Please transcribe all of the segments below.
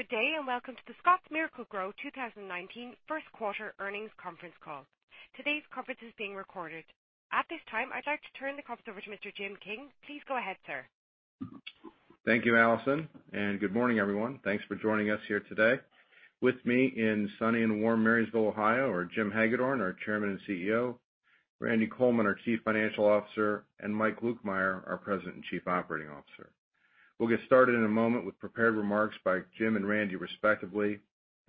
Good day, welcome to the Scotts Miracle-Gro 2019 Q1 earnings conference call. Today's conference is being recorded. At this time, I'd like to turn the conference over to Mr. Jim King. Please go ahead, sir. Thank you, Allison, good morning, everyone. Thanks for joining us here today. With me in sunny and warm Marysville, Ohio are Jim Hagedorn, our Chairman and Chief Executive Officer; Randy Coleman, our Chief Financial Officer; and Mike Lukemire, our President and Chief Operating Officer. We'll get started in a moment with prepared remarks by Jim and Randy respectively.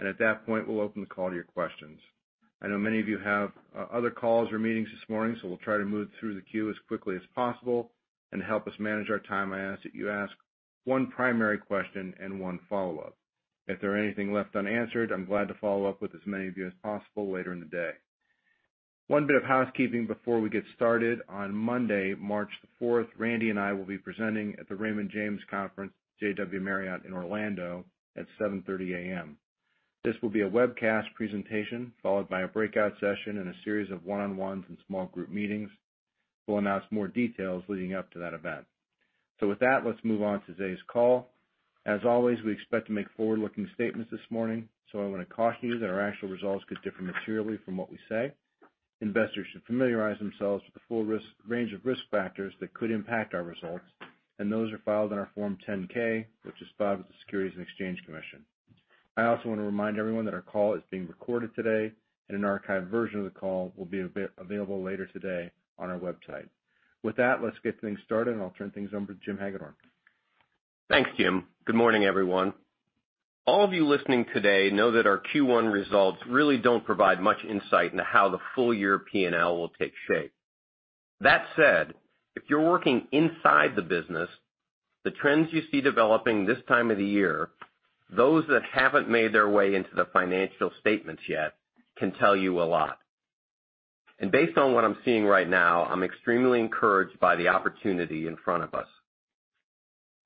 At that point, we'll open the call to your questions. I know many of you have other calls or meetings this morning, we'll try to move through the queue as quickly as possible. To help us manage our time, I ask that you ask one primary question and one follow-up. If there are anything left unanswered, I'm glad to follow up with as many of you as possible later in the day. One bit of housekeeping before we get started. On Monday, March the 4th, Randy and I will be presenting at the Raymond James Conference at the JW Marriott in Orlando at 7:30 A.M. This will be a webcast presentation followed by a breakout session and a series of one-on-ones and small group meetings. We'll announce more details leading up to that event. With that, let's move on to today's call. As always, we expect to make forward-looking statements this morning, I want to caution you that our actual results could differ materially from what we say. Investors should familiarize themselves with the full range of risk factors that could impact our results, and those are filed in our Form 10-K, which is filed with the Securities and Exchange Commission. I also want to remind everyone that our call is being recorded today, an archived version of the call will be available later today on our website. With that, let's get things started, I'll turn things over to Jim Hagedorn. Thanks, Jim. Good morning, everyone. All of you listening today know that our Q1 results really don't provide much insight into how the full year P&L will take shape. That said, if you're working inside the business, the trends you see developing this time of the year, those that haven't made their way into the financial statements yet, can tell you a lot. Based on what I'm seeing right now, I'm extremely encouraged by the opportunity in front of us.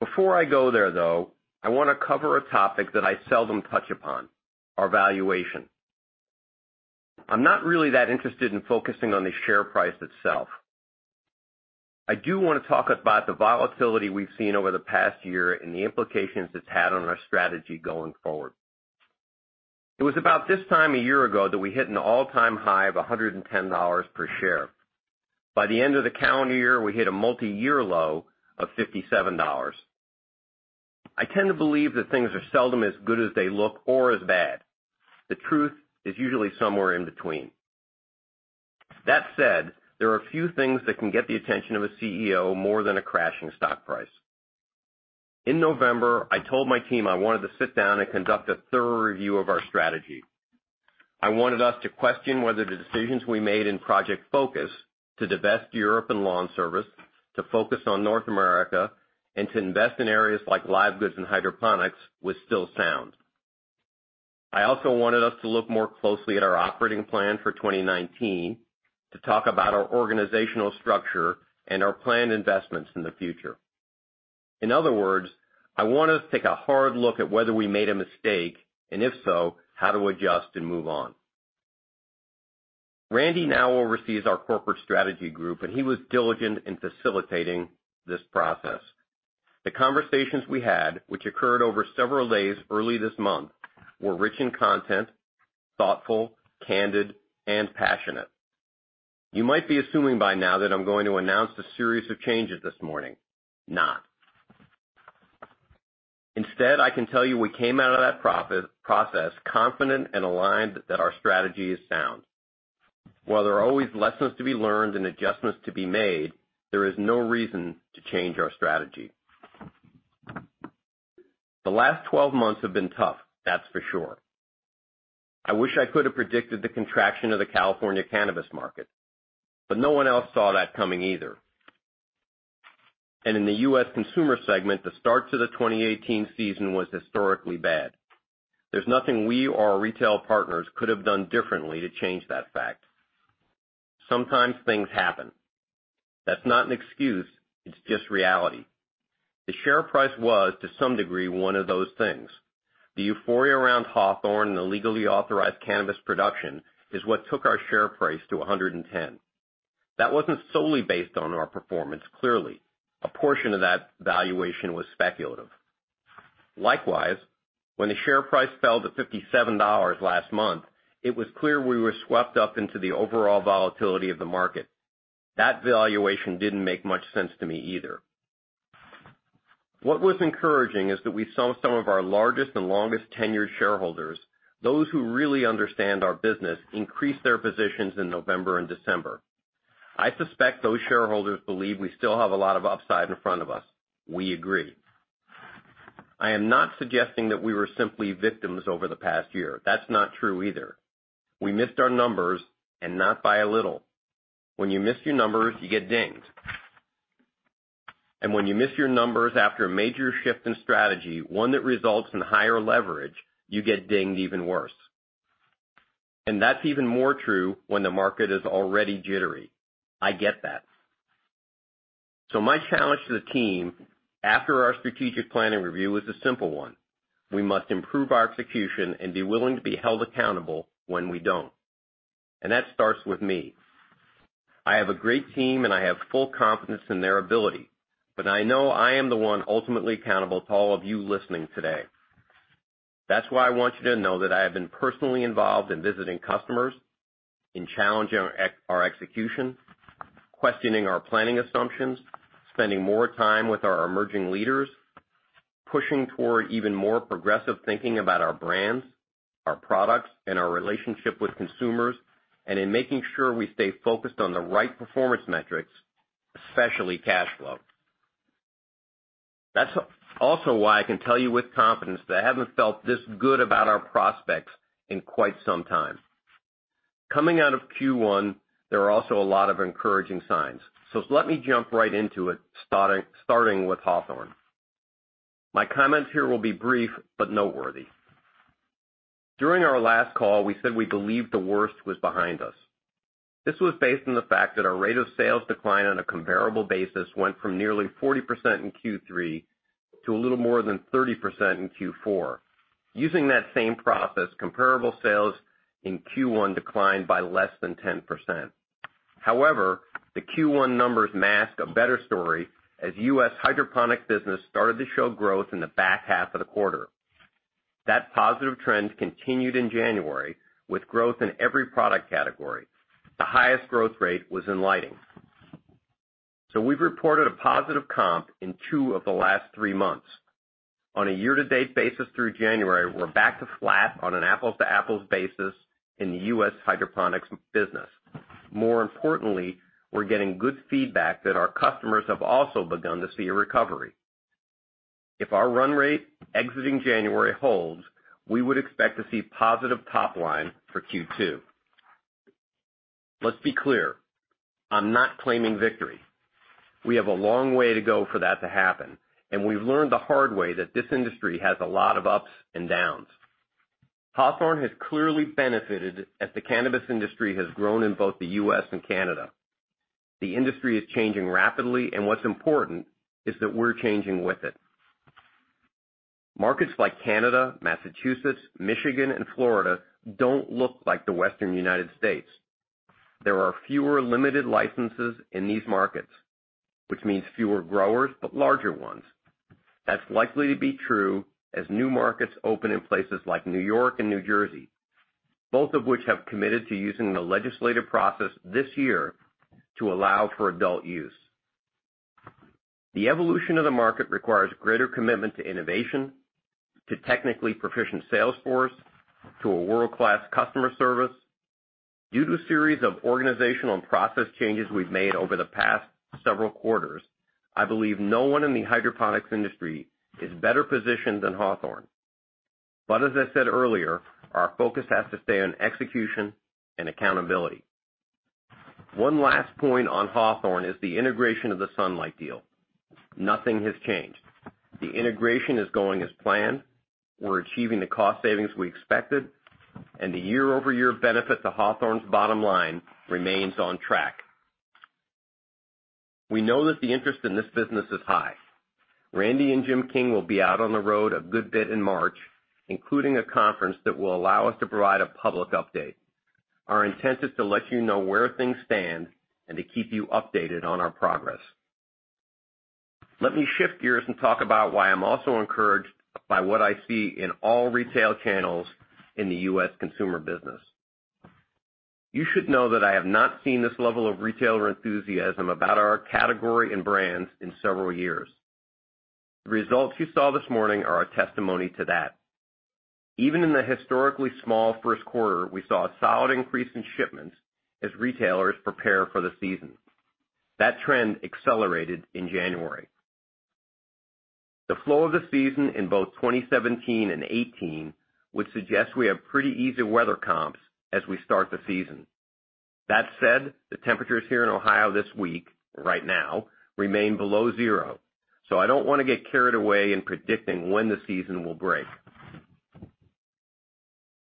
Before I go there, though, I want to cover a topic that I seldom touch upon, our valuation. I'm not really that interested in focusing on the share price itself. I do want to talk about the volatility we've seen over the past year and the implications it's had on our strategy going forward. It was about this time a year ago that we hit an all-time high of $110 per share. By the end of the calendar year, we hit a multi-year low of $57. I tend to believe that things are seldom as good as they look or as bad. The truth is usually somewhere in between. That said, there are few things that can get the attention of a CEO more than a crashing stock price. In November, I told my team I wanted to sit down and conduct a thorough review of our strategy. I wanted us to question whether the decisions we made in Project Focus to divest Europe and lawn service, to focus on North America, and to invest in areas like live goods and hydroponics was still sound. I also wanted us to look more closely at our operating plan for 2019, to talk about our organizational structure and our planned investments in the future. In other words, I want us to take a hard look at whether we made a mistake, and if so, how to adjust and move on. Randy now oversees our corporate strategy group. He was diligent in facilitating this process. The conversations we had, which occurred over several days early this month, were rich in content, thoughtful, candid, and passionate. You might be assuming by now that I'm going to announce a series of changes this morning. Not. Instead, I can tell you we came out of that process confident and aligned that our strategy is sound. While there are always lessons to be learned and adjustments to be made, there is no reason to change our strategy. The last 12 months have been tough, that's for sure. I wish I could have predicted the contraction of the California cannabis market, but no one else saw that coming either. In the U.S. consumer segment, the start to the 2018 season was historically bad. There's nothing we or our retail partners could have done differently to change that fact. Sometimes things happen. That's not an excuse, it's just reality. The share price was, to some degree, one of those things. The euphoria around Hawthorne and the legally authorized cannabis production is what took our share price to 110. That wasn't solely based on our performance, clearly. A portion of that valuation was speculative. Likewise, when the share price fell to $57 last month, it was clear we were swept up into the overall volatility of the market. That valuation didn't make much sense to me either. What was encouraging is that we saw some of our largest and longest-tenured shareholders, those who really understand our business, increase their positions in November and December. I suspect those shareholders believe we still have a lot of upside in front of us. We agree. I am not suggesting that we were simply victims over the past year. That's not true either. We missed our numbers, and not by a little. When you miss your numbers, you get dinged. When you miss your numbers after a major shift in strategy, one that results in higher leverage, you get dinged even worse. That's even more true when the market is already jittery. I get that. My challenge to the team after our strategic planning review was a simple one: We must improve our execution and be willing to be held accountable when we don't. That starts with me. I have a great team and I have full confidence in their ability, but I know I am the one ultimately accountable to all of you listening today. That's why I want you to know that I have been personally involved in visiting customers, in challenging our execution, questioning our planning assumptions, spending more time with our emerging leaders, pushing toward even more progressive thinking about our brands, our products, and our relationship with consumers, and in making sure we stay focused on the right performance metrics, especially cash flow. That's also why I can tell you with confidence that I haven't felt this good about our prospects in quite some time. Coming out of Q1, there are also a lot of encouraging signs. Let me jump right into it, starting with Hawthorne. My comments here will be brief but noteworthy. During our last call, we said we believed the worst was behind us. This was based on the fact that our rate of sales decline on a comparable basis went from nearly 40% in Q3 to a little more than 30% in Q4. Using that same process, comparable sales in Q1 declined by less than 10%. However, the Q1 numbers mask a better story as U.S. Hydroponics business started to show growth in the back half of the quarter. That positive trend continued in January with growth in every product category. The highest growth rate was in lighting. We've reported a positive comp in two of the last three months. On a year-to-date basis through January, we're back to flat on an apples-to-apples basis in the U.S. Hydroponics business. More importantly, we're getting good feedback that our customers have also begun to see a recovery. If our run rate exiting January holds, we would expect to see positive top line for Q2. Let's be clear, I'm not claiming victory. We have a long way to go for that to happen, and we've learned the hard way that this industry has a lot of ups and downs. Hawthorne has clearly benefited as the cannabis industry has grown in both the U.S. and Canada. The industry is changing rapidly, and what's important is that we're changing with it. Markets like Canada, Massachusetts, Michigan, and Florida don't look like the Western United States. There are fewer limited licenses in these markets, which means fewer growers, but larger ones. That's likely to be true as new markets open in places like New York and New Jersey, both of which have committed to using the legislative process this year to allow for adult use. The evolution of the market requires greater commitment to innovation, to technically proficient sales force, to a world-class customer service. Due to a series of organizational and process changes we've made over the past several quarters, I believe no one in the hydroponics industry is better positioned than Hawthorne. As I said earlier, our focus has to stay on execution and accountability. One last point on Hawthorne is the integration of the Sunlight deal. Nothing has changed. The integration is going as planned. We're achieving the cost savings we expected, and the year-over-year benefit to Hawthorne's bottom line remains on track. We know that the interest in this business is high. Randy and Jim King will be out on the road a good bit in March, including a conference that will allow us to provide a public update. Our intent is to let you know where things stand and to keep you updated on our progress. Let me shift gears and talk about why I'm also encouraged by what I see in all retail channels in the U.S. consumer business. You should know that I have not seen this level of retailer enthusiasm about our category and brands in several years. The results you saw this morning are a testimony to that. Even in the historically small Q1, we saw a solid increase in shipments as retailers prepare for the season. That trend accelerated in January. The flow of the season in both 2017 and 2018 would suggest we have pretty easy weather comps as we start the season. That said, the temperatures here in Ohio this week, right now, remain below zero. I don't want to get carried away in predicting when the season will break.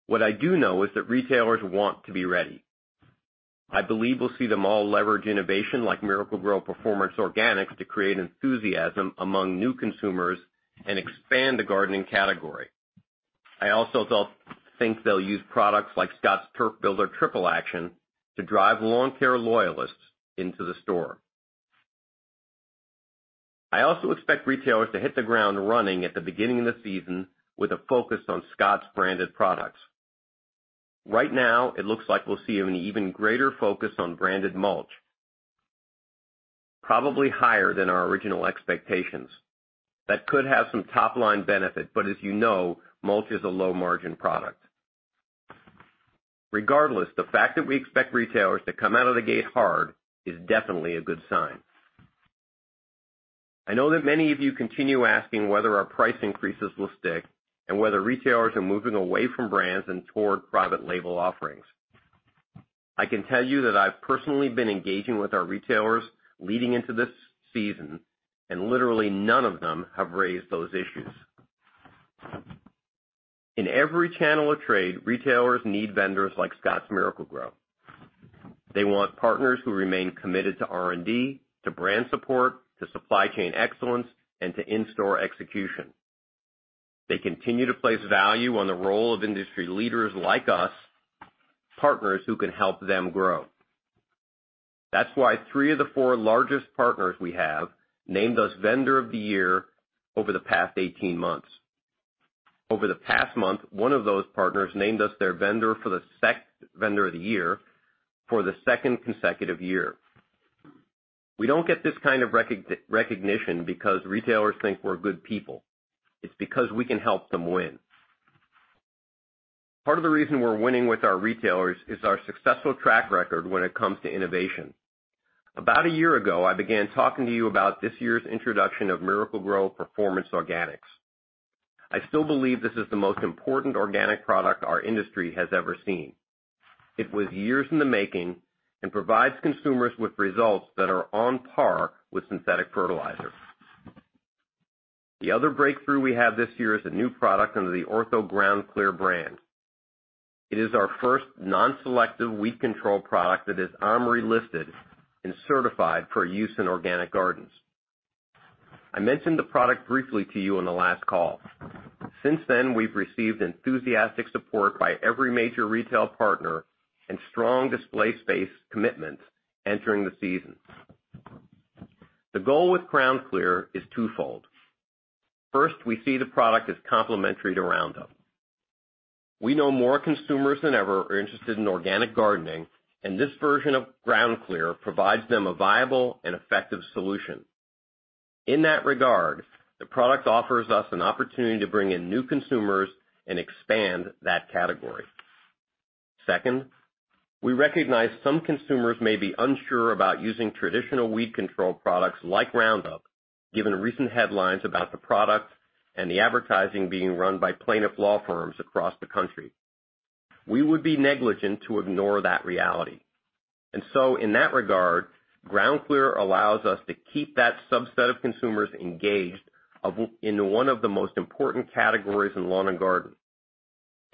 What I do know is that retailers want to be ready. I believe we'll see them all leverage innovation like Miracle-Gro Performance Organics to create enthusiasm among new consumers and expand the gardening category. I also think they'll use products like Scotts Turf Builder Triple Action to drive lawn care loyalists into the store. I also expect retailers to hit the ground running at the beginning of the season with a focus on Scotts branded products. Right now it looks like we'll see an even greater focus on branded mulch, probably higher than our original expectations. That could have some top-line benefit, as you know, mulch is a low-margin product. Regardless, the fact that we expect retailers to come out of the gate hard is definitely a good sign. I know that many of you continue asking whether our price increases will stick and whether retailers are moving away from brands and toward private label offerings. I can tell you that I've personally been engaging with our retailers leading into this season, and literally none of them have raised those issues. In every channel of trade, retailers need vendors like Scotts Miracle-Gro. They want partners who remain committed to R&D, to brand support, to supply chain excellence, and to in-store execution. They continue to place value on the role of industry leaders like us, partners who can help them grow. That's why three of the four largest partners we have named us Vendor of the Year over the past 18 months. Over the past month, one of those partners named us their Vendor of the Year for the second consecutive year. We don't get this kind of recognition because retailers think we're good people. It's because we can help them win. Part of the reason we're winning with our retailers is our successful track record when it comes to innovation. About a year ago, I began talking to you about this year's introduction of Miracle-Gro Performance Organics. I still believe this is the most important organic product our industry has ever seen. It was years in the making and provides consumers with results that are on par with synthetic fertilizers. The other breakthrough we have this year is a new product under the Ortho GroundClear brand. It is our first non-selective weed control product that is OMRI listed and certified for use in organic gardens. I mentioned the product briefly to you on the last call. Since then, we've received enthusiastic support by every major retail partner and strong display space commitments entering the season. The goal with GroundClear is twofold. First, we see the product as complementary to Roundup. We know more consumers than ever are interested in organic gardening, and this version of GroundClear provides them a viable and effective solution. In that regard, the product offers us an opportunity to bring in new consumers and expand that category. Second, we recognize some consumers may be unsure about using traditional weed control products like Roundup, given recent headlines about the product and the advertising being run by plaintiff law firms across the country. We would be negligent to ignore that reality. In that regard, GroundClear allows us to keep that subset of consumers engaged in one of the most important categories in lawn and garden,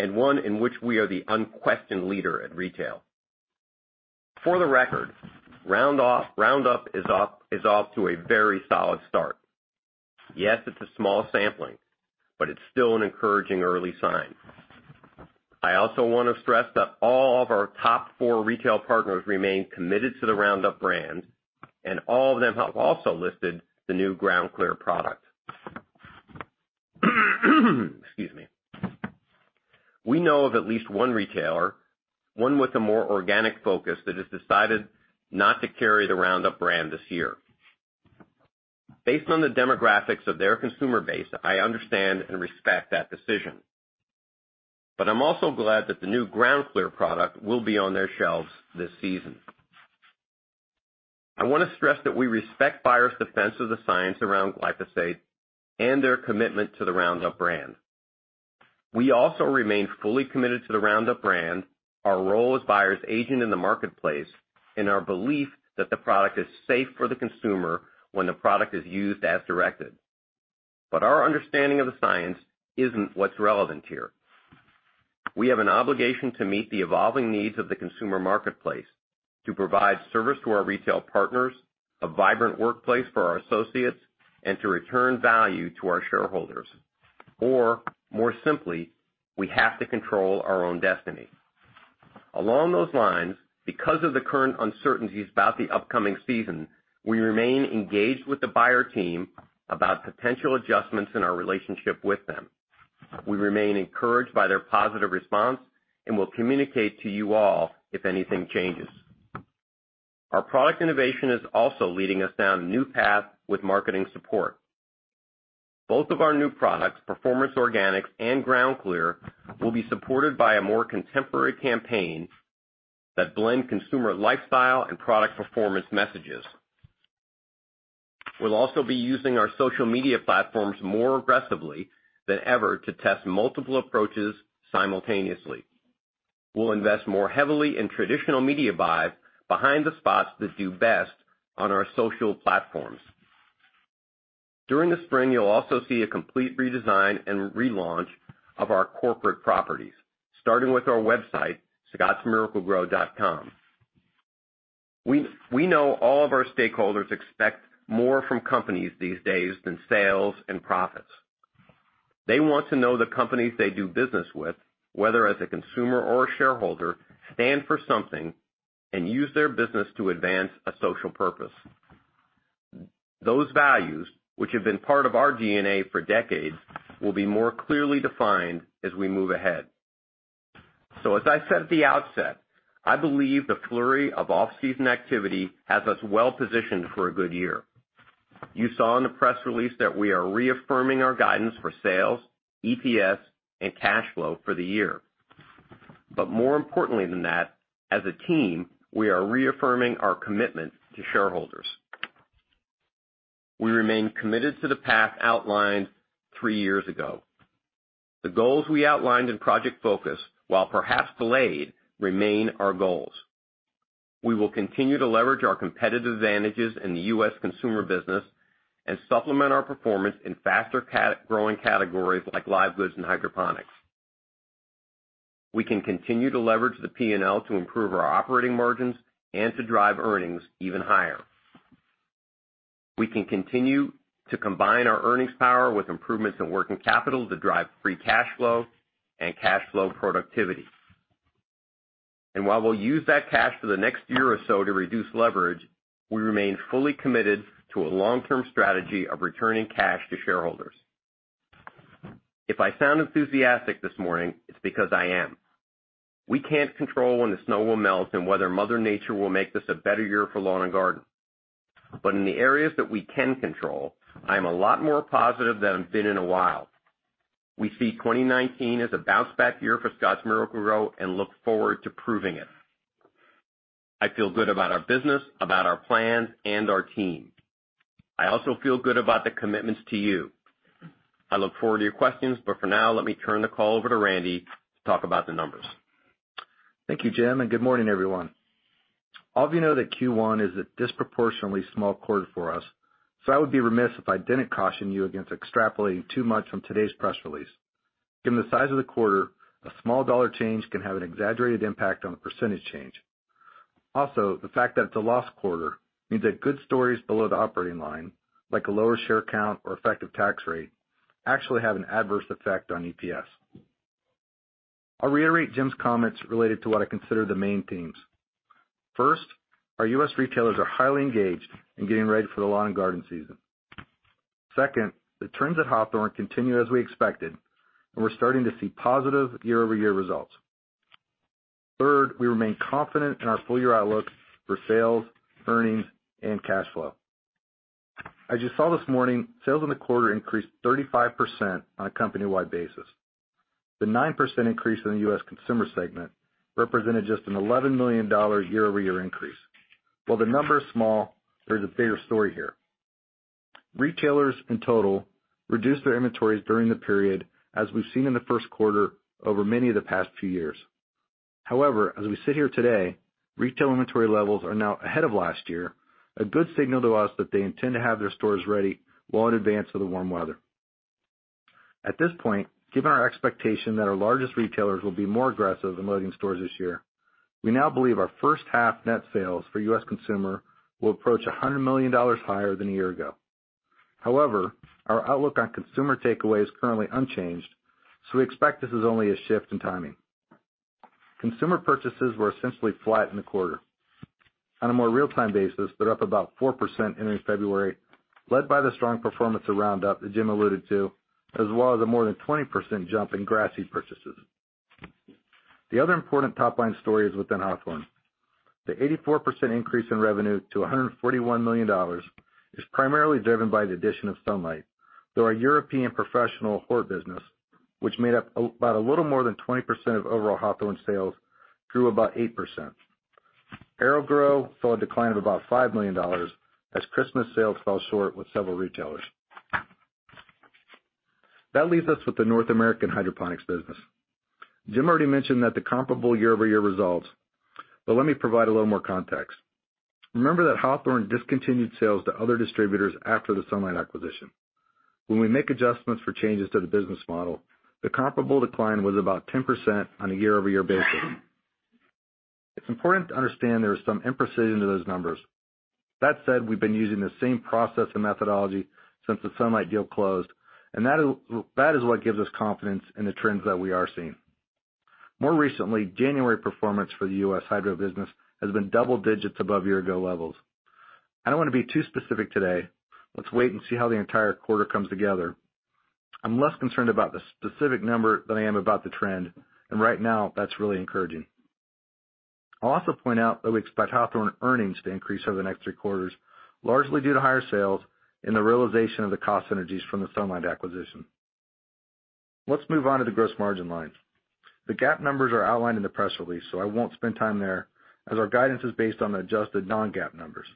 and one in which we are the unquestioned leader in retail. For the record, Roundup is off to a very solid start. Yes, it's a small sampling, but it's still an encouraging early sign. I also want to stress that all of our top four retail partners remain committed to the Roundup brand, and all of them have also listed the new GroundClear product. Excuse me. We know of at least one retailer, one with a more organic focus, that has decided not to carry the Roundup brand this year. Based on the demographics of their consumer base, I understand and respect that decision, but I'm also glad that the new GroundClear product will be on their shelves this season. I want to stress that we respect buyers' defense of the science around glyphosate and their commitment to the Roundup brand. We also remain fully committed to the Roundup brand, our role as buyers' agent in the marketplace, and our belief that the product is safe for the consumer when the product is used as directed. Our understanding of the science isn't what's relevant here. We have an obligation to meet the evolving needs of the consumer marketplace, to provide service to our retail partners, a vibrant workplace for our associates, and to return value to our shareholders. More simply, we have to control our own destiny. Along those lines, because of the current uncertainties about the upcoming season, we remain engaged with the buyer team about potential adjustments in our relationship with them. We remain encouraged by their positive response and will communicate to you all if anything changes. Our product innovation is also leading us down a new path with marketing support. Both of our new products, Performance Organics and GroundClear, will be supported by a more contemporary campaign that blend consumer lifestyle and product performance messages. We'll also be using our social media platforms more aggressively than ever to test multiple approaches simultaneously. We'll invest more heavily in traditional media buy behind the spots that do best on our social platforms. During the spring, you'll also see a complete redesign and relaunch of our corporate properties, starting with our website, scottsmiraclegro.com. We know all of our stakeholders expect more from companies these days than sales and profits. They want to know the companies they do business with, whether as a consumer or a shareholder, stand for something and use their business to advance a social purpose. Those values, which have been part of our DNA for decades, will be more clearly defined as we move ahead. As I said at the outset, I believe the flurry of off-season activity has us well positioned for a good year. You saw in the press release that we are reaffirming our guidance for sales, EPS, and cash flow for the year. More importantly than that, as a team, we are reaffirming our commitment to shareholders. We remain committed to the path outlined three years ago. The goals we outlined in Project Focus, while perhaps delayed, remain our goals. We will continue to leverage our competitive advantages in the U.S. consumer business and supplement our performance in faster-growing categories like live goods and hydroponics. We can continue to leverage the P&L to improve our operating margins and to drive earnings even higher. We can continue to combine our earnings power with improvements in working capital to drive free cash flow and cash flow productivity. While we'll use that cash for the next year or so to reduce leverage, we remain fully committed to a long-term strategy of returning cash to shareholders. If I sound enthusiastic this morning, it's because I am. We can't control when the snow will melt and whether Mother Nature will make this a better year for lawn and garden. In the areas that we can control, I am a lot more positive than I've been in a while. We see 2019 as a bounce-back year for Scotts Miracle-Gro and look forward to proving it. I feel good about our business, about our plans, and our team. I also feel good about the commitments to you. I look forward to your questions, for now, let me turn the call over to Randy to talk about the numbers. Thank you, Jim, and good morning, everyone. All of you know that Q1 is a disproportionately small quarter for us, so I would be remiss if I didn't caution you against extrapolating too much from today's press release. Given the size of the quarter, a small dollar change can have an exaggerated impact on the percentage change. Also, the fact that it's a loss quarter means that good stories below the operating line, like a lower share count or effective tax rate, actually have an adverse effect on EPS. I'll reiterate Jim's comments related to what I consider the main themes. First, our U.S. retailers are highly engaged in getting ready for the lawn and garden season. Second, the turns at Hawthorne continue as we expected, and we're starting to see positive year-over-year results. Third, we remain confident in our full-year outlook for sales, earnings, and cash flow. As you saw this morning, sales in the quarter increased 35% on a company-wide basis. The nine percent increase in the U.S. consumer segment represented just an $11 million year-over-year increase. While the number is small, there is a bigger story here. Retailers in total reduced their inventories during the period, as we've seen in the Q1 over many of the past few years. As we sit here today, retail inventory levels are now ahead of last year, a good signal to us that they intend to have their stores ready well in advance of the warm weather. At this point, given our expectation that our largest retailers will be more aggressive in loading stores this year, we now believe our first half net sales for U.S. consumer will approach $100 million higher than a year ago. Our outlook on consumer takeaway is currently unchanged, so we expect this is only a shift in timing. Consumer purchases were essentially flat in the quarter. On a more real-time basis, they're up about four percent entering February, led by the strong performance of Roundup that Jim alluded to, as well as a more than 20% jump in Grass Seed purchases. The other important top-line story is within Hawthorne. The 84% increase in revenue to $141 million is primarily driven by the addition of Sunlight Supply, though our European ProHort business, which made up about a little more than 20% of overall Hawthorne sales, grew about eight percent. AeroGarden saw a decline of about $5 million as Christmas sales fell short with several retailers. That leaves us with the North American Hydroponics business. Jim already mentioned that the comparable year-over-year results, let me provide a little more context. Remember that Hawthorne discontinued sales to other distributors after the Sunlight Supply acquisition. When we make adjustments for changes to the business model, the comparable decline was about 10% on a year-over-year basis. It's important to understand there is some imprecision to those numbers. We've been using the same process and methodology since the Sunlight Supply deal closed, that is what gives us confidence in the trends that we are seeing. More recently, January performance for the U.S. Hydro business has been double digits above year-ago levels. I don't want to be too specific today. Let's wait and see how the entire quarter comes together. I'm less concerned about the specific number than I am about the trend, right now, that's really encouraging. I'll also point out that we expect Hawthorne earnings to increase over the next three quarters, largely due to higher sales and the realization of the cost synergies from the Sunlight acquisition. Let's move on to the gross margin line. The GAAP numbers are outlined in the press release, so I won't spend time there as our guidance is based on the adjusted non-GAAP numbers.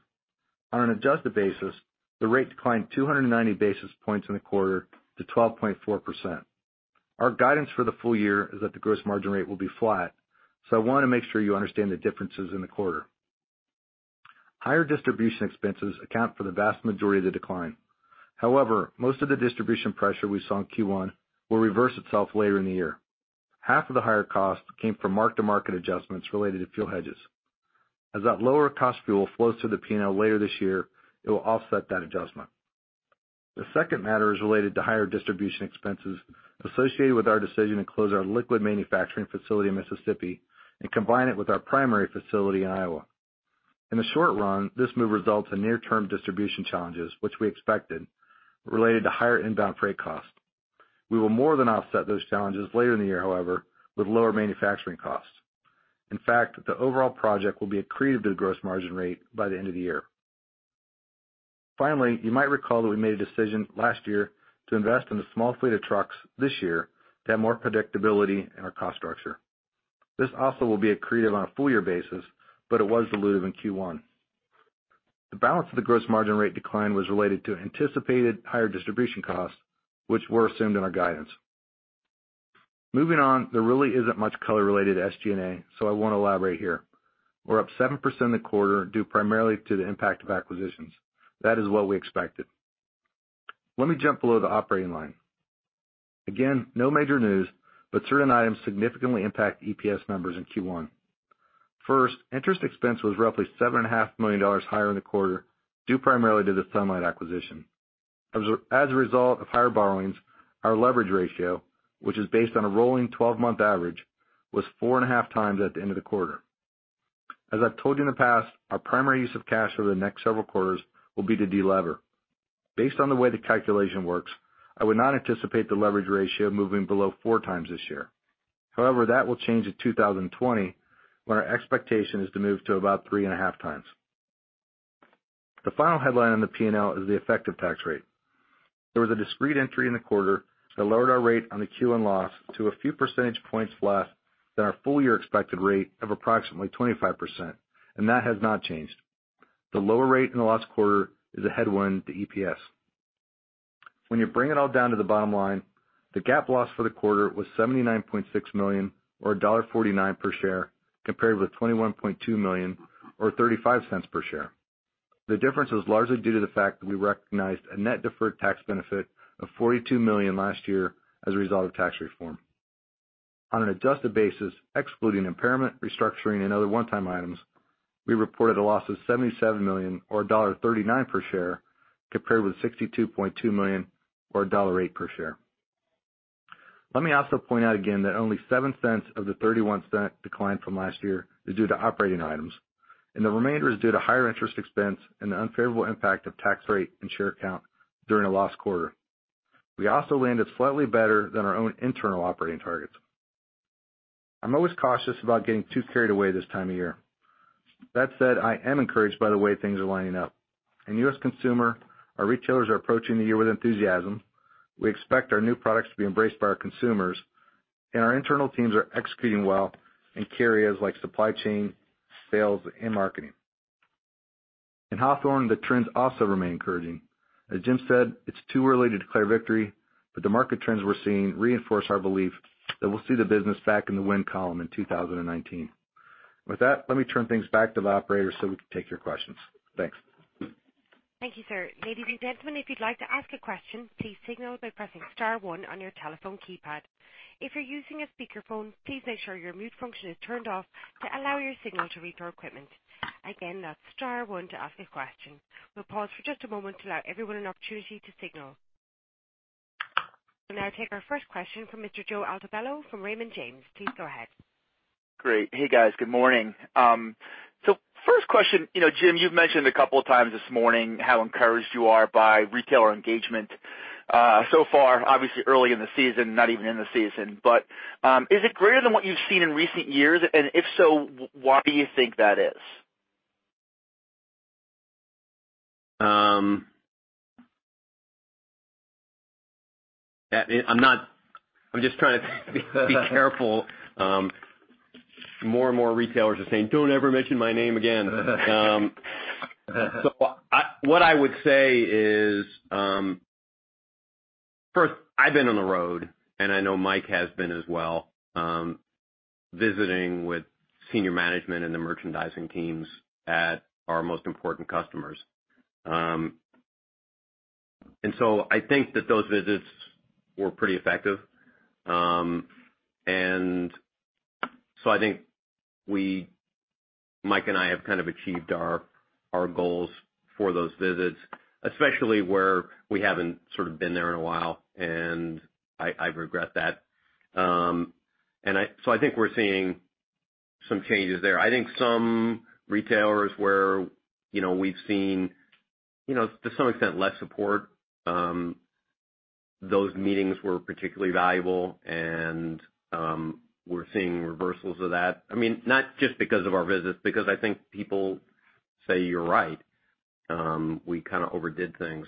On an adjusted basis, the rate declined 290 basis points in the quarter to 12.4%. Our guidance for the full year is that the gross margin rate will be flat, so I want to make sure you understand the differences in the quarter. Higher distribution expenses account for the vast majority of the decline. However, most of the distribution pressure we saw in Q1 will reverse itself later in the year. Half of the higher cost came from mark-to-market adjustments related to fuel hedges. As that lower cost fuel flows to the P&L later this year, it will offset that adjustment. The second matter is related to higher distribution expenses associated with our decision to close our liquid manufacturing facility in Mississippi and combine it with our primary facility in Iowa. In the short run, this move results in near-term distribution challenges, which we expected, related to higher inbound freight cost. We will more than offset those challenges later in the year, however, with lower manufacturing costs. In fact, the overall project will be accretive to the gross margin rate by the end of the year. Finally, you might recall that we made a decision last year to invest in a small fleet of trucks this year to have more predictability in our cost structure. This also will be accretive on a full year basis, but it was dilutive in Q1. The balance of the gross margin rate decline was related to anticipated higher distribution costs, which were assumed in our guidance. Moving on, there really isn't much color related to SG&A, so I won't elaborate here. We're up seven percent in the quarter due primarily to the impact of acquisitions. That is what we expected. Let me jump below the operating line. Again, no major news, but certain items significantly impact EPS numbers in Q1. First, interest expense was roughly $7.5 million higher in the quarter, due primarily to the Sunlight acquisition. As a result of higher borrowings, our leverage ratio, which is based on a rolling 12-month average, was 4.5x at the end of the quarter. As I've told you in the past, our primary use of cash over the next several quarters will be to de-lever. Based on the way the calculation works, I would not anticipate the leverage ratio moving below 4x this year. However, that will change in 2020, when our expectation is to move to about 3.5x. The final headline on the P&L is the effective tax rate. There was a discrete entry in the quarter that lowered our rate on the Q1 loss to a few percentage points less than our full year expected rate of approximately 25%, and that has not changed. The lower rate in the last quarter is a headwind to EPS. When you bring it all down to the bottom line, the GAAP loss for the quarter was $79.6 million, or $1.49 per share, compared with $21.2 million or $0.35 per share. The difference was largely due to the fact that we recognized a net deferred tax benefit of $42 million last year as a result of tax reform. On an adjusted basis, excluding impairment, restructuring, and other one-time items, we reported a loss of $77 million or $1.39 per share, compared with $62.2 million or $1.08 per share. Let me also point out again that only $0.07 of the $0.31 decline from last year is due to operating items, the remainder is due to higher interest expense and the unfavorable impact of tax rate and share count during a loss quarter. We also landed slightly better than our own internal operating targets. I'm always cautious about getting too carried away this time of year. That said, I am encouraged by the way things are lining up. In U.S. consumer, our retailers are approaching the year with enthusiasm. We expect our new products to be embraced by our consumers, our internal teams are executing well in key areas like supply chain, sales, and marketing. In Hawthorne, the trends also remain encouraging. As Jim said, it's too early to declare victory, the market trends we're seeing reinforce our belief that we'll see the business back in the win column in 2019. With that, let me turn things back to the operator so we can take your questions. Thanks. Thank you, sir. Ladies and gentlemen, if you'd like to ask a question, please signal by pressing *one on your telephone keypad. If you're using a speakerphone, please make sure your mute function is turned off to allow your signal to reach our equipment. Again, that's *one to ask a question. We'll pause for just a moment to allow everyone an opportunity to signal. We'll now take our first question from Mr. Joseph Altobello from Raymond James. Please go ahead. Great. Hey, guys. Good morning. First question. Jim, you've mentioned a couple of times this morning how encouraged you are by retailer engagement. So far, obviously early in the season, not even in the season, but, is it greater than what you've seen in recent years? If so, why do you think that is? I'm just trying to be careful. More and more retailers are saying, "Don't ever mention my name again." What I would say is, first, I've been on the road, and I know Mike has been as well, visiting with senior management and the merchandising teams at our most important customers. I think that those visits were pretty effective. I think Mike and I have kind of achieved our goals for those visits, especially where we haven't sort of been there in a while, and I regret that. I think we're seeing some changes there. I think some retailers where we've seen, to some extent, less support, those meetings were particularly valuable and we're seeing reversals of that. I mean, not just because of our visits, because I think people say, "You're right. We kind of overdid things."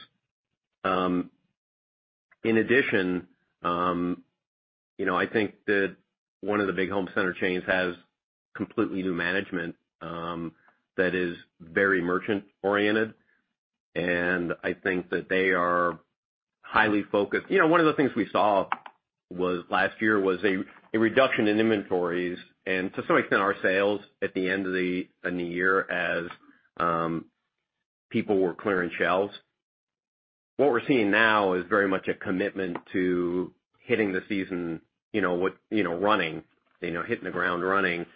In addition, I think that one of the big home center chains has completely new management that is very merchant oriented, and I think that they are highly focused. One of the things we saw last year was a reduction in inventories, and to some extent, our sales at the end of the year as people were clearing shelves. What we're seeing now is very much a commitment to hitting the season running, hitting the ground running.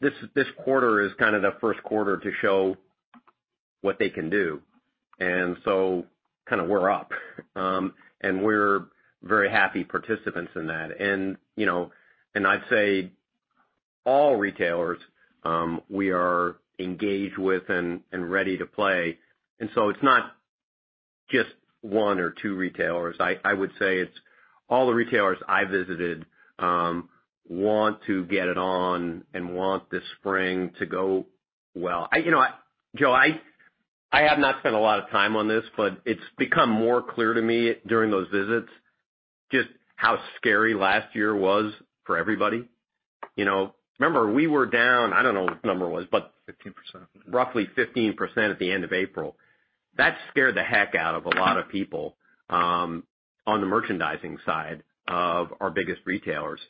This quarter is kind of the Q1 to show what they can do. We're up, and we're very happy participants in that. I'd say all retailers, we are engaged with and ready to play. It's not just one or two retailers. I would say it's all the retailers I visited want to get it on and want the spring to go well. Joe, I have not spent a lot of time on this, but it's become more clear to me during those visits just how scary last year was for everybody. Remember, we were down, I don't know what the number was, but- 15%. Roughly 15% at the end of April. That scared the heck out of a lot of people on the merchandising side of our biggest retailers.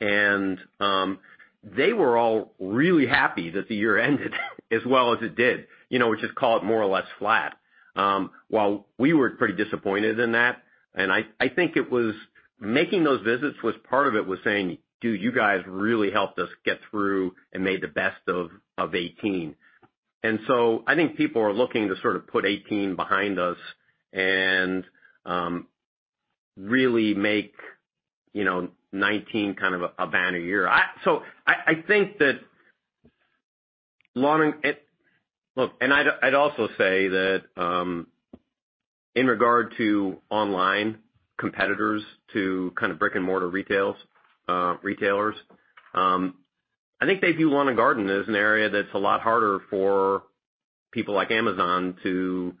They were all really happy that the year ended as well as it did, which is called more or less flat. While we were pretty disappointed in that, I think it was making those visits was part of it was saying, "Dude, you guys really helped us get through and made the best of 2018." I think people are looking to sort of put 2018 behind us and really make 2019 kind of a banner year. Look, I'd also say that in regard to online competitors to kind of brick and mortar retailers, I think they view lawn and garden as an area that's a lot harder for people like Amazon to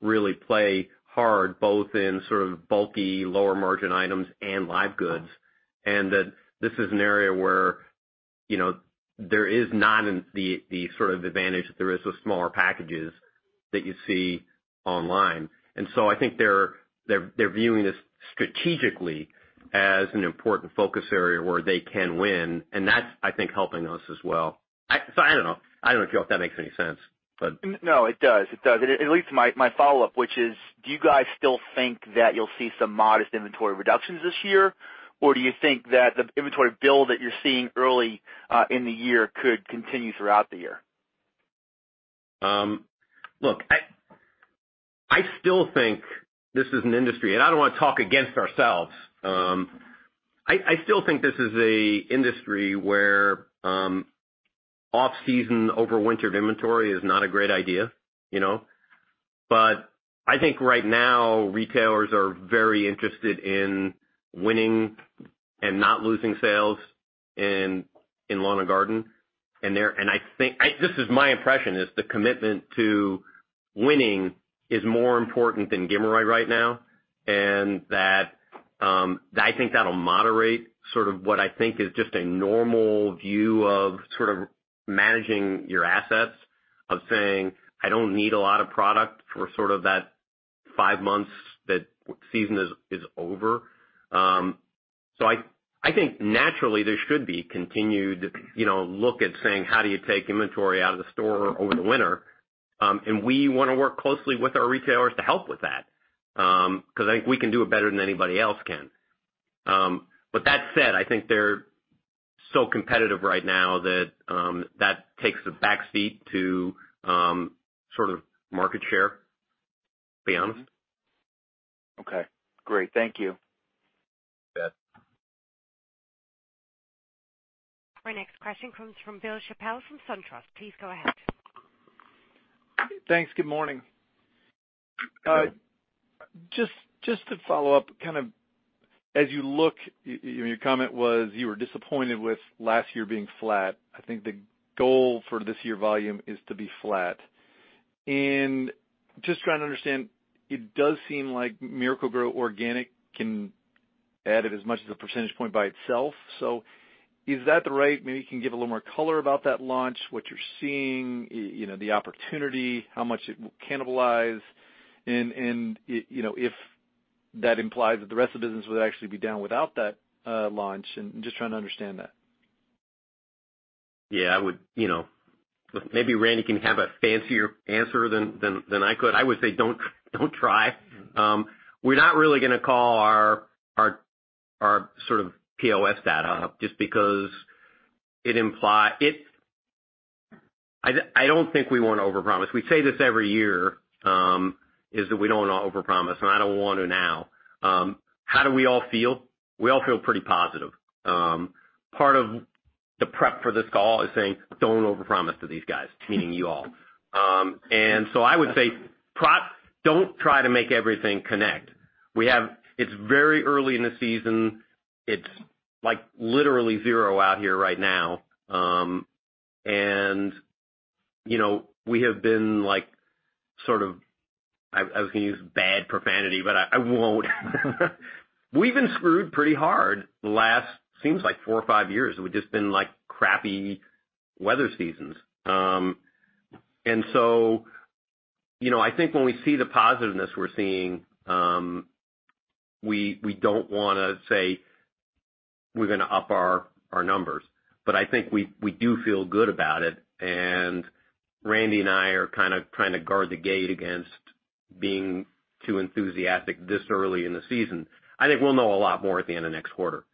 really play hard, both in sort of bulky, lower margin items and live goods, and that this is an area where there is not the sort of advantage that there is with smaller packages that you see online. I think they're viewing this strategically as an important focus area where they can win, and that's, I think, helping us as well. I don't know. I don't know if that makes any sense, but No, it does. It leads to my follow-up, which is, do you guys still think that you'll see some modest inventory reductions this year? Do you think that the inventory bill that you're seeing early in the year could continue throughout the year? Look, I still think this is an industry, and I don't want to talk against ourselves. I still think this is an industry where off-season overwintered inventory is not a great idea. I think right now, retailers are very interested in winning and not losing sales in lawn and garden. This is my impression is the commitment to winning is more important than right now. I think that'll moderate sort of what I think is just a normal view of sort of managing your assets of saying, "I don't need a lot of product for sort of that five months that season is over." I think naturally there should be continued look at saying, how do you take inventory out of the store over the winter? We want to work closely with our retailers to help with that, because I think we can do it better than anybody else can. That said, I think they're so competitive right now that that takes a back seat to sort of market share, to be honest. Okay, great. Thank you. You bet. Our next question comes from Bill Chappell from SunTrust. Please go ahead. Thanks. Good morning. Good morning. Just to follow up, kind of as you look, your comment was you were disappointed with last year being flat. I think the goal for this year volume is to be flat. Just trying to understand, it does seem like Miracle-Gro Organic can add as much as a percentage point by itself. Is that the right, maybe you can give a little more color about that launch, what you're seeing, the opportunity, how much it will cannibalize, and if that implies that the rest of the business would actually be down without that launch, just trying to understand that. Yeah. Maybe Randy can have a fancier answer than I could. I would say don't try. We're not really going to call our sort of POS data up just because it implies. I don't think we want to overpromise. We say this every year, is that we don't want to overpromise, and I don't want to now. How do we all feel? We all feel pretty positive. Part of the prep for this call is saying, "Don't overpromise to these guys," meaning you all. I would say, don't try to make everything connect. It's very early in the season. It's like literally zero out here right now. We have been like, sort of, I was going to use bad profanity, but I won't. We've been screwed pretty hard the last seems like four or five years. We've just been like crappy weather seasons. I think when we see the positiveness we're seeing, we don't want to say we're going to up our numbers. I think we do feel good about it, and Randy and I are kind of trying to guard the gate against being too enthusiastic this early in the season. I think we'll know a lot more at the end of next quarter,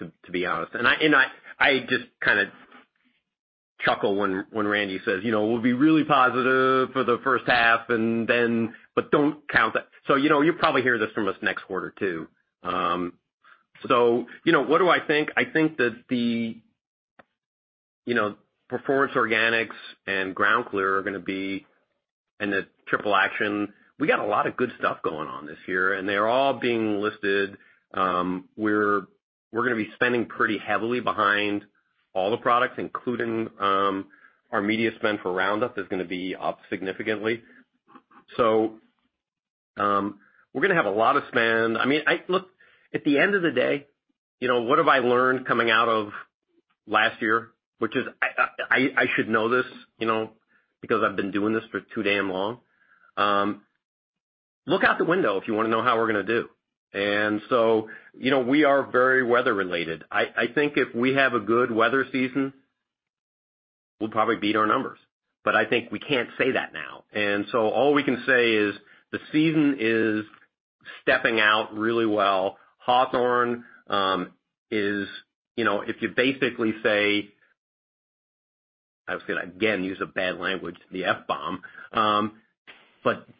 to be honest. I just kind of chuckle when Randy says, "We'll be really positive for the first half and then, but don't count that." You'll probably hear this from us next quarter, too. What do I think? I think that the Performance Organics and GroundClear are going to be, and the Triple Action. We got a lot of good stuff going on this year, and they're all being listed. We're gonna be spending pretty heavily behind all the products, including our media spend for Roundup is gonna be up significantly. We're gonna have a lot of spend. Look, at the end of the day, what have I learned coming out of last year? Which is I should know this because I've been doing this for too damn long. Look out the window if you want to know how we're going to do. We are very weather related. I think if we have a good weather season, we'll probably beat our numbers, but I think we can't say that now. All we can say is the season is stepping out really well. Hawthorne is, if you basically say, I was going to, again, use a bad language, the F-bomb.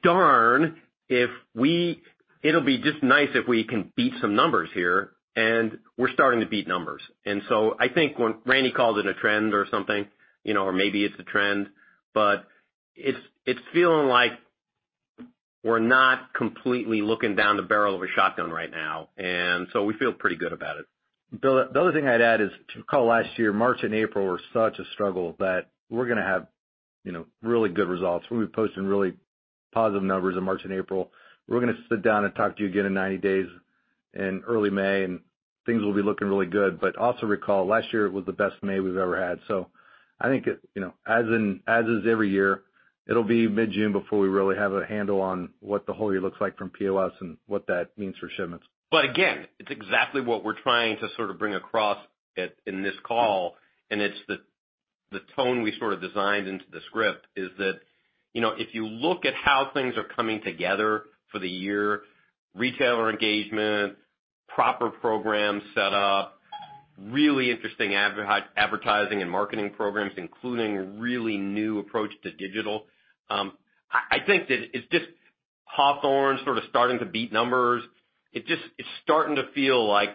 Darn, it'll be just nice if we can beat some numbers here, and we're starting to beat numbers. I think when Randy called it a trend or something, or maybe it's a trend, but it's feeling like we're not completely looking down the barrel of a shotgun right now. We feel pretty good about it. The other thing I'd add is to call last year, March and April were such a struggle that we're going to have really good results. We'll be posting really positive numbers in March and April. We're going to sit down and talk to you again in 90 days in early May, and things will be looking really good. Also recall, last year it was the best May we've ever had. I think as is every year, it'll be mid-June before we really have a handle on what the whole year looks like from POS and what that means for shipments. Again, it's exactly what we're trying to sort of bring across in this call, and it's the tone we sort of designed into the script is that, if you look at how things are coming together for the year, retailer engagement, proper program set up, really interesting advertising and marketing programs, including a really new approach to digital. I think that it's just Hawthorne sort of starting to beat numbers. It's starting to feel like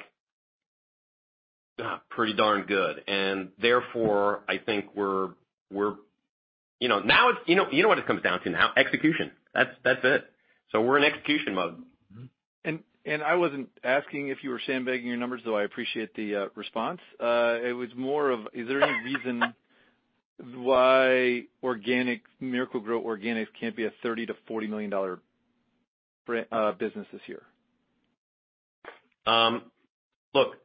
pretty darn good. I think You know what it comes down to now, execution. That's it. We're in execution mode. I wasn't asking if you were sandbagging your numbers, though I appreciate the response. It was more of, is there any reason why Miracle-Gro Organic can't be a $30 million-$40 million business this year? Look,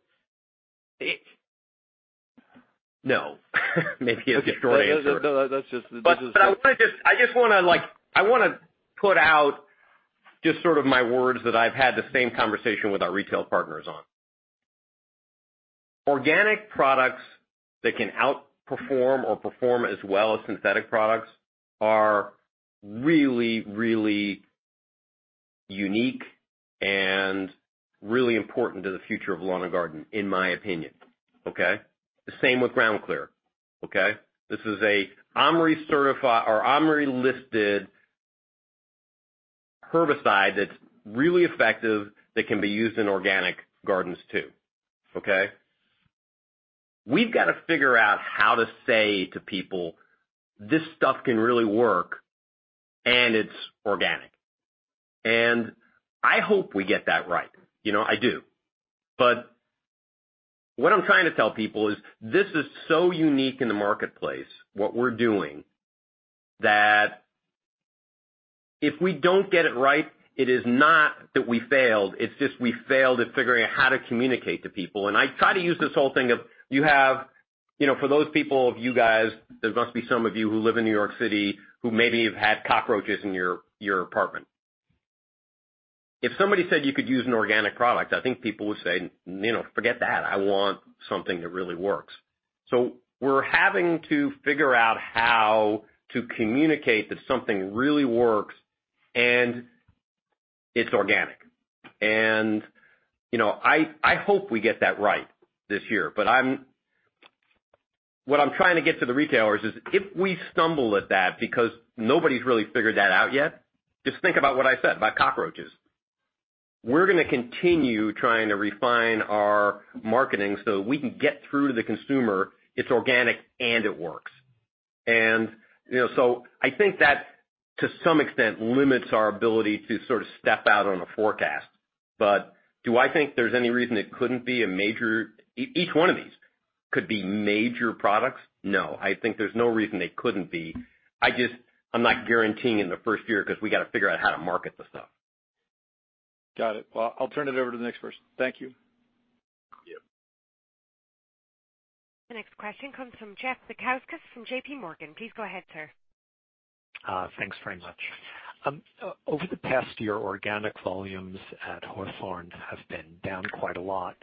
no. Maybe a short answer. No, that's just. I just want to put out just sort of my words that I've had the same conversation with our retail partners on. Organic products that can outperform or perform as well as synthetic products are really, really unique and really important to the future of Lawn & Garden, in my opinion. Okay? The same with Ortho GroundClear. Okay? This is a OMRI-certified or OMRI-listed herbicide that's really effective that can be used in organic gardens too. Okay? We've got to figure out how to say to people, this stuff can really work and it's organic. I hope we get that right. I do. What I'm trying to tell people is this is so unique in the marketplace, what we're doing, that if we don't get it right, it is not that we failed, it's just we failed at figuring out how to communicate to people. I try to use this whole thing of you have, for those people of you guys, there must be some of you who live in New York City who maybe have had cockroaches in your apartment. If somebody said you could use an organic product, I think people would say, "Forget that. I want something that really works." We're having to figure out how to communicate that something really works and it's organic. I hope we get that right this year. What I'm trying to get to the retailers is if we stumble at that because nobody's really figured that out yet, just think about what I said about cockroaches. We're going to continue trying to refine our marketing so we can get through to the consumer, it's organic and it works. I think that, to some extent, limits our ability to sort of step out on a forecast. Do I think there's any reason it couldn't be a major Each one of these could be major products. No, I think there's no reason they couldn't be. I'm not guaranteeing in the first year because we got to figure out how to market the stuff. Got it. Well, I'll turn it over to the next person. Thank you. Yeah. The next question comes from Robert Bukowski from JPMorgan. Please go ahead, sir. Thanks very much. Over the past year, organic volumes at Hawthorne have been down quite a lot.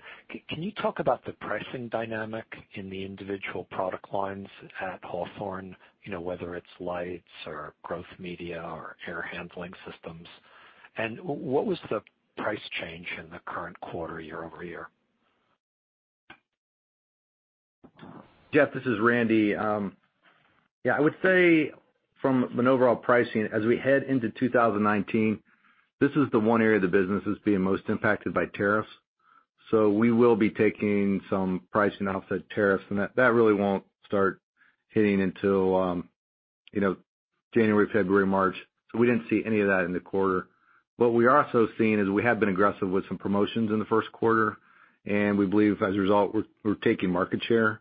Can you talk about the pricing dynamic in the individual product lines at Hawthorne, whether it's lights or growth media or air handling systems? What was the price change in the current quarter year-over-year? Jeff, this is Randy. Yeah, I would say from an overall pricing, as we head into 2019, this is the one area of the business that's being most impacted by tariffs. We will be taking some pricing offset tariffs, and that really won't start hitting until January, February, March. We didn't see any of that in the quarter. What we are also seeing is we have been aggressive with some promotions in the Q1, and we believe as a result, we're taking market share.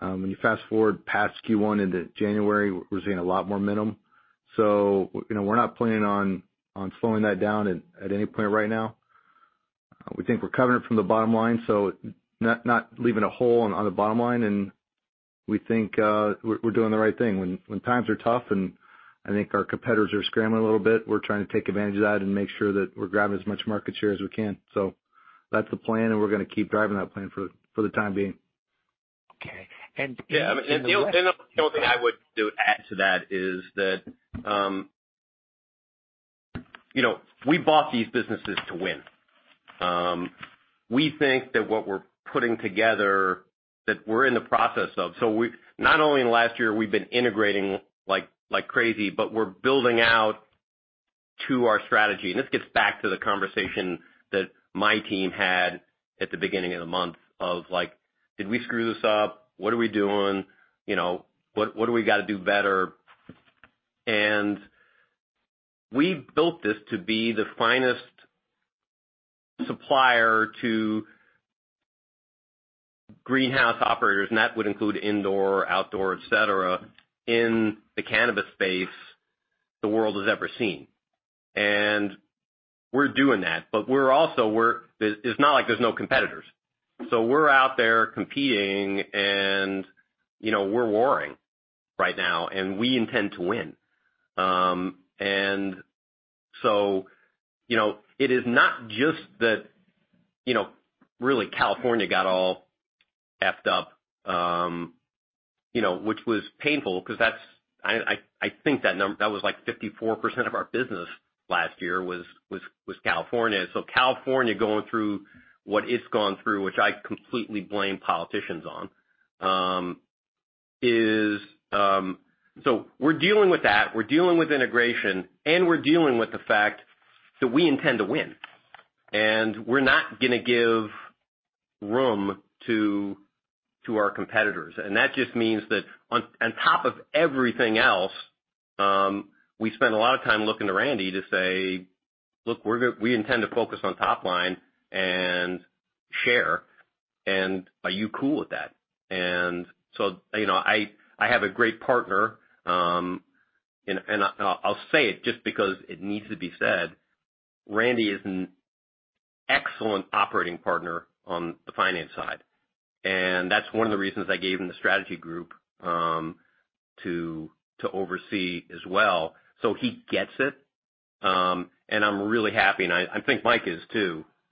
When you fast-forward past Q1 into January, we're seeing a lot more minimum. We're not planning on slowing that down at any point right now. We think we're covering it from the bottom line, so not leaving a hole on the bottom line. We think we're doing the right thing. When times are tough and I think our competitors are scrambling a little bit, we're trying to take advantage of that and make sure that we're grabbing as much market share as we can. That's the plan, and we're going to keep driving that plan for the time being. Okay. The only thing I would add to that is that we bought these businesses to win. We think that what we're putting together, that we're in the process of. Not only in the last year, we've been integrating like crazy, but we're building out to our strategy. This gets back to the conversation that my team had at the beginning of the month of, like, "Did we screw this up? What are we doing? What do we got to do better?" We built this to be the finest supplier to greenhouse operators, and that would include indoor, outdoor, et cetera, in the cannabis space the world has ever seen. We're doing that. It's not like there's no competitors. We're out there competing and we're warring right now, and we intend to win. It is not just that really California got all effed up, which was painful because I think that was, like, 54% of our business last year was California. California going through what it's gone through, which I completely blame politicians on. We're dealing with that, we're dealing with integration, and we're dealing with the fact that we intend to win, and we're not going to give room to our competitors. That just means that on top of everything else, we spend a lot of time looking to Randy to say, "Look, we intend to focus on top line and share, and are you cool with that?" I have a great partner. I'll say it just because it needs to be said, Randy is an excellent operating partner on the finance side, and that's one of the reasons I gave him the strategy group to oversee as well. He gets it. I'm really happy, and I think Mike is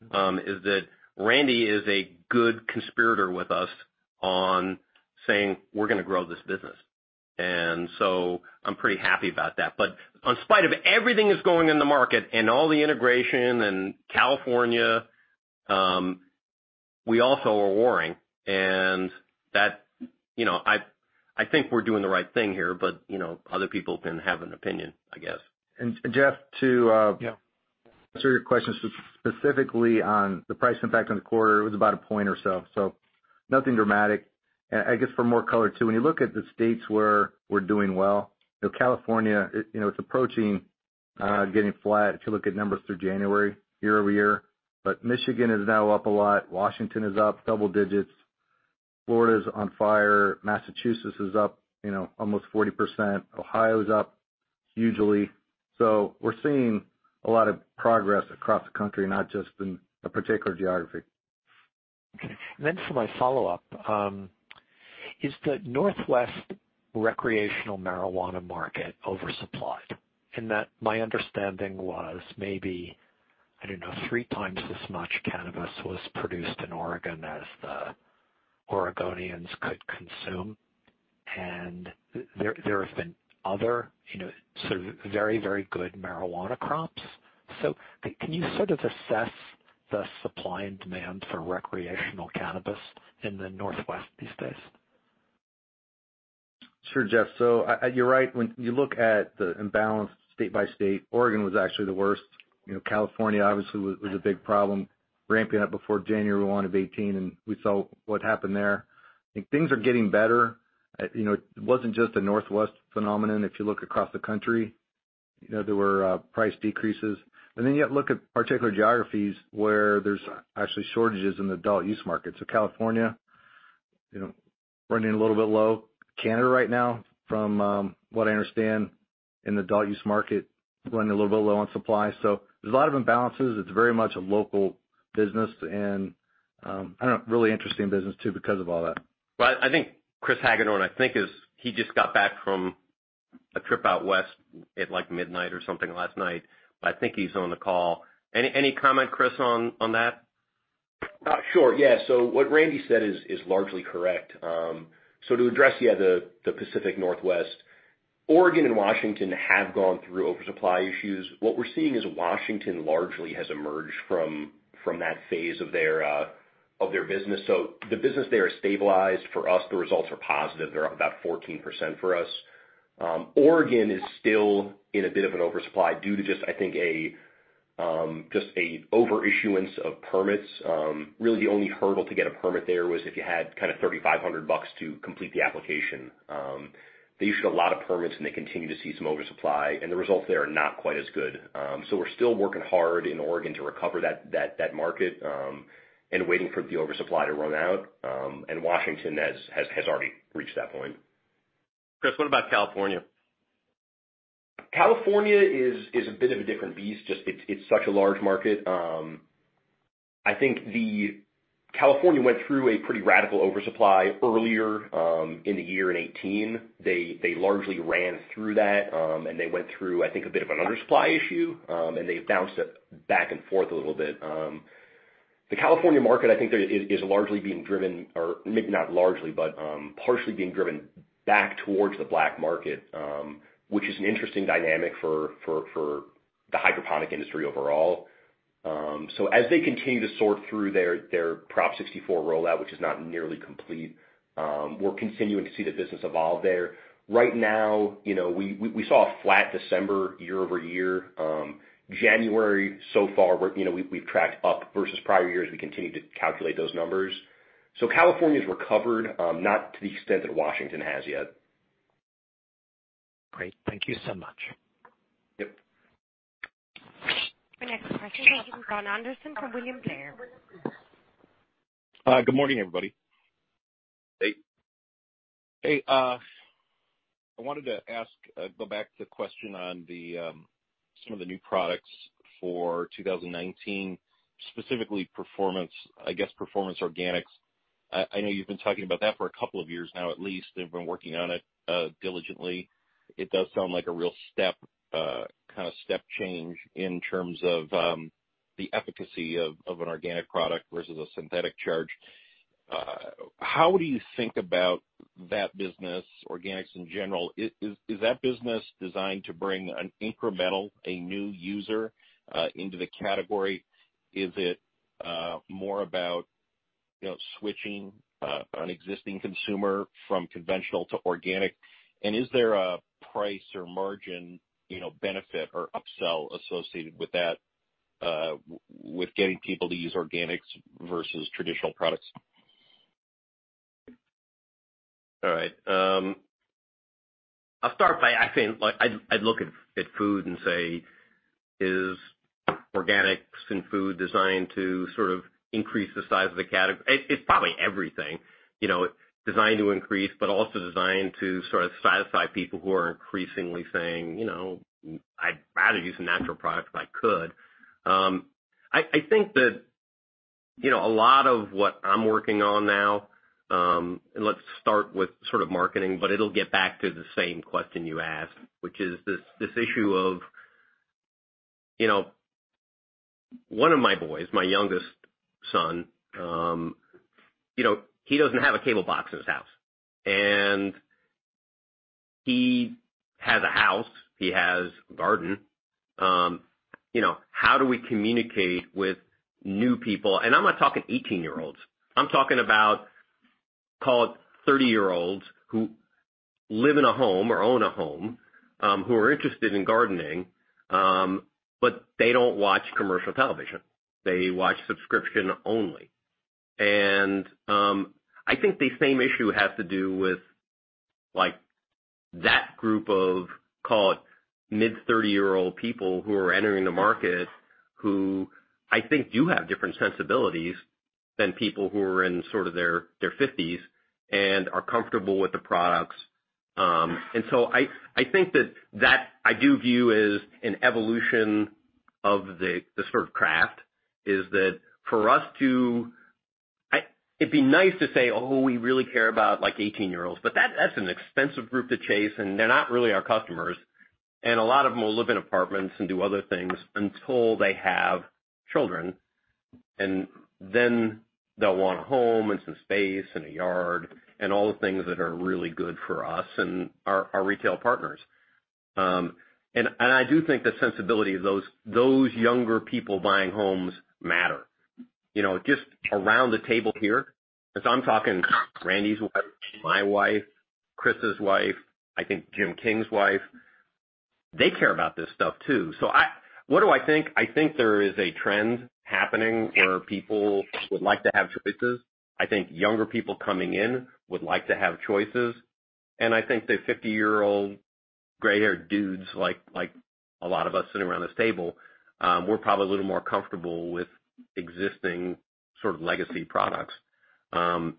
too, is that Randy is a good conspirator with us on saying we're going to grow this business. I'm pretty happy about that. In spite of everything that's going in the market and all the integration and California, we also are warring. I think we're doing the right thing here, but other people can have an opinion, I guess. Jeff, to- Yeah To answer your question specifically on the price impact on the quarter, it was about a point or so, nothing dramatic. I guess for more color, too, when you look at the states where we're doing well, California, it's approaching getting flat if you look at numbers through January year-over-year. Michigan is now up a lot. Washington is up double digits. Florida's on fire. Massachusetts is up almost 40%. Ohio's up hugely. We're seeing a lot of progress across the country, not just in a particular geography. Okay. For my follow-up, is the Northwest recreational marijuana market oversupplied? In that my understanding was maybe, I don't know, three times as much cannabis was produced in Oregon as the Oregonians could consume. There have been other sort of very good marijuana crops. Can you sort of assess the supply and demand for recreational cannabis in the Northwest these days? Sure, Jeff. You're right. When you look at the imbalance state by state, Oregon was actually the worst. California obviously was a big problem ramping up before January 1, 2018, and we saw what happened there. I think things are getting better. It wasn't just a Northwest phenomenon. If you look across the country, there were price decreases. You look at particular geographies where there's actually shortages in the adult use market. California, running a little bit low. Canada right now, from what I understand in the adult use market, running a little bit low on supply. There's a lot of imbalances. It's very much a local business and a really interesting business too because of all that. I think Chris Hagedorn, I think he just got back from a trip out west at like midnight or something last night. I think he's on the call. Any comment, Chris, on that? Sure. What Randy said is largely correct. To address, the Pacific Northwest, Oregon and Washington have gone through oversupply issues. What we're seeing is Washington largely has emerged from that phase of their business. The business there is stabilized. For us, the results are positive. They're up about 14% for us. Oregon is still in a bit of an oversupply due to just, I think, an overissuance of permits. Really the only hurdle to get a permit there was if you had $3,500 to complete the application. They issued a lot of permits, and they continue to see some oversupply, and the results there are not quite as good. We're still working hard in Oregon to recover that market and waiting for the oversupply to run out. Washington has already reached that point. Chris, what about California? California is a bit of a different beast. It's such a large market. I think California went through a pretty radical oversupply earlier in the year in 2018. They largely ran through that, they went through, I think, a bit of an undersupply issue, and they've bounced it back and forth a little bit. The California market, I think, is largely being driven, or maybe not largely, but partially being driven back towards the black market, which is an interesting dynamic for the hydroponic industry overall. As they continue to sort through their Prop 64 rollout, which is not nearly complete, we're continuing to see the business evolve there. Right now, we saw a flat December year-over-year. January so far, we've tracked up versus prior years. We continue to calculate those numbers. California's recovered, not to the extent that Washington has yet. Great. Thank you so much. Yep. The next question comes from Jon Andersen from William Blair. Good morning, everybody. Hey. Hey. I wanted to go back to the question on some of the new products for 2019, specifically, I guess, Performance Organics. I know you've been talking about that for a couple of years now, at least, and have been working on it diligently. It does sound like a real step change in terms of the efficacy of an organic product versus a synthetic charge. How do you think about that business, organics in general? Is that business designed to bring an incremental, a new user into the category? Is it more about switching an existing consumer from conventional to organic? Is there a price or margin benefit or upsell associated with that, with getting people to use organics versus traditional products? All right. I'll start by saying, I'd look at food and say, is organics in food designed to sort of increase the size of the category? It's probably everything. Designed to increase, but also designed to sort of satisfy people who are increasingly saying, "I'd rather use a natural product if I could." I think that a lot of what I'm working on now, let's start with sort of marketing, but it'll get back to the same question you asked, which is this issue of one of my boys, my youngest son, he doesn't have a cable box in his house, and he has a house, he has a garden. How do we communicate with new people? I'm not talking 18-year-olds. I'm talking about, call it 30-year-olds who live in a home or own a home, who are interested in gardening, but they don't watch commercial television. They watch subscription only. I think the same issue has to do with that group of, call it, mid 30-year-old people who are entering the market, who I think do have different sensibilities than people who are in sort of their 50s and are comfortable with the products. I think that I do view as an evolution of the sort of craft, is that It'd be nice to say, "Oh, we really care about 18-year-olds," but that's an expensive group to chase, and they're not really our customers. A lot of them will live in apartments and do other things until they have children, then they'll want a home and some space and a yard and all the things that are really good for us and our retail partners. I do think the sensibility of those younger people buying homes matter. Just around the table here, as I'm talking Randy's wife, my wife, Chris's wife, I think Jim King's wife, they care about this stuff, too. What do I think? I think there is a trend happening where people would like to have choices. I think younger people coming in would like to have choices. I think the 50-year-old gray-haired dudes, like a lot of us sitting around this table, we're probably a little more comfortable with existing sort of legacy products. On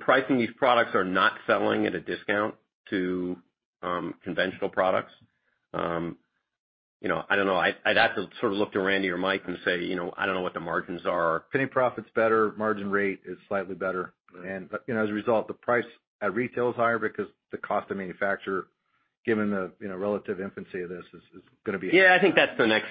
pricing, these products are not selling at a discount to conventional products. I don't know. I'd have to sort of look to Randy or Mike and say, I don't know what the margins are. Penny profit's better, margin rate is slightly better. As a result, the price at retail is higher because the cost to manufacture, given the relative infancy of this, is going to be. I think that's the next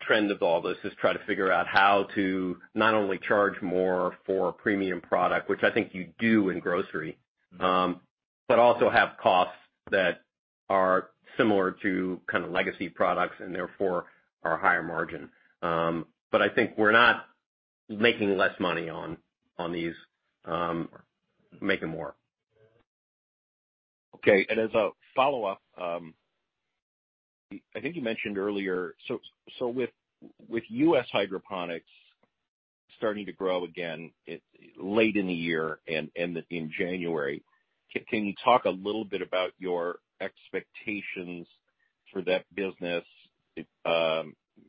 trend of all this, is try to figure out how to not only charge more for a premium product, which I think you do in grocery, but also have costs that are similar to legacy products and therefore are higher margin. I think we're not making less money on these. We're making more. Okay. As a follow-up, I think you mentioned earlier, so with US hydroponics starting to grow again late in the year and in January, can you talk a little bit about your expectations for that business,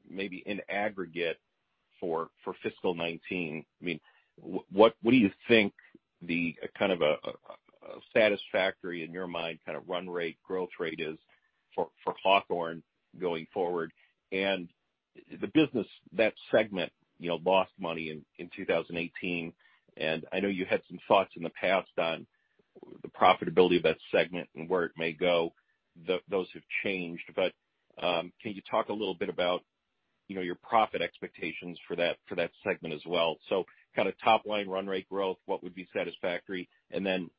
maybe in aggregate? For fiscal 2019, what do you think the satisfactory, in your mind, run rate growth rate is for Hawthorne going forward? The business, that segment lost money in 2018. I know you had some thoughts in the past on the profitability of that segment and where it may go. Those have changed. Can you talk a little bit about your profit expectations for that segment as well? Kind of top line run rate growth, what would be satisfactory, and then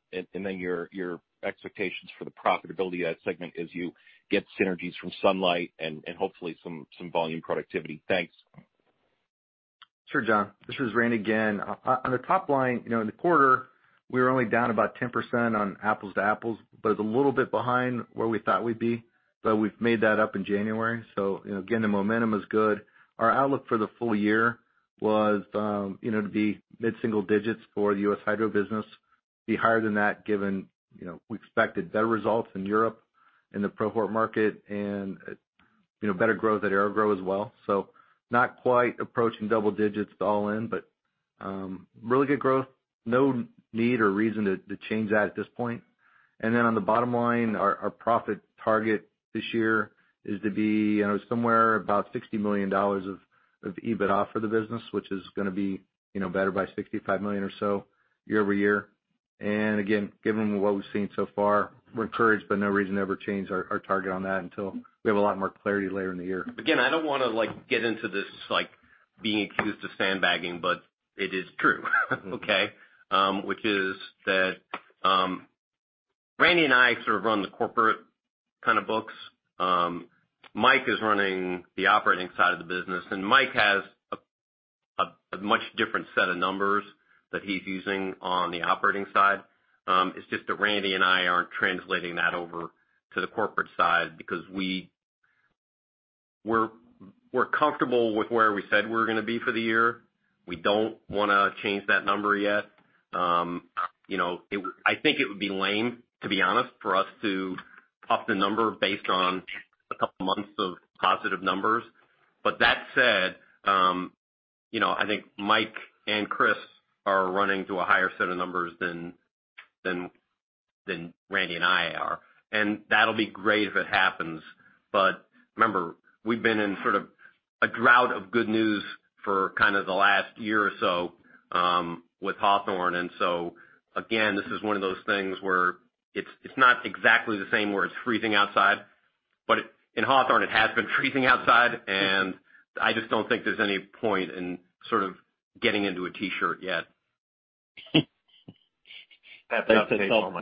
your expectations for the profitability of that segment as you get synergies from Sunlight and hopefully some volume productivity. Thanks. Sure, John. This is Randy again. On the top line, in the quarter, we were only down about 10% on apples to apples, but a little bit behind where we thought we'd be, but we've made that up in January. Again, the momentum is good. Our outlook for the full year was to be mid-single digits for the US Hydro business. Be higher than that given we expected better results in Europe, in the ProHort market and better growth at AeroGarden as well. Not quite approaching double digits all in, but really good growth. No need or reason to change that at this point. On the bottom line, our profit target this year is to be somewhere about $60 million of EBITDA for the business, which is going to be better by $65 million or so year-over-year. Again, given what we've seen so far, we're encouraged but no reason to ever change our target on that until we have a lot more clarity later in the year. Again, I don't want to get into this being accused of sandbagging, but it is true. Okay. Randy and I sort of run the corporate kind of books. Mike is running the operating side of the business. Mike has a much different set of numbers that he's using on the operating side. It's just that Randy and I aren't translating that over to the corporate side because we're comfortable with where we said we're going to be for the year. We don't want to change that number yet. I think it would be lame, to be honest, for us to up the number based on a couple of months of positive numbers. That said, I think Mike and Chris are running to a higher set of numbers than Randy and I are. That will be great if it happens. Remember, we've been in sort of a drought of good news for the last year or so with Hawthorne. Again, this is one of those things where it's not exactly the same where it's freezing outside, but in Hawthorne, it has been freezing outside, and I just don't think there's any point in sort of getting into a T-shirt yet. That's off the table.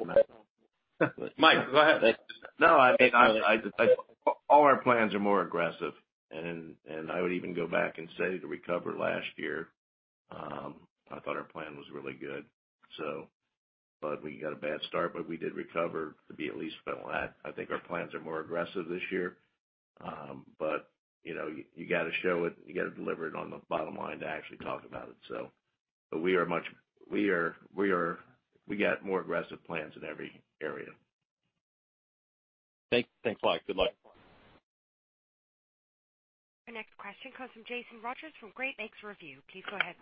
Mike, go ahead. No, all our plans are more aggressive, and I would even go back and say to recover last year. I thought our plan was really good. We got a bad start, but we did recover to be at least flat. I think our plans are more aggressive this year. You got to show it, you got to deliver it on the bottom line to actually talk about it. We got more aggressive plans in every area. Thanks, Mike. Good luck. Our next question comes from Jason Rogers from Great Lakes Review. Please go ahead.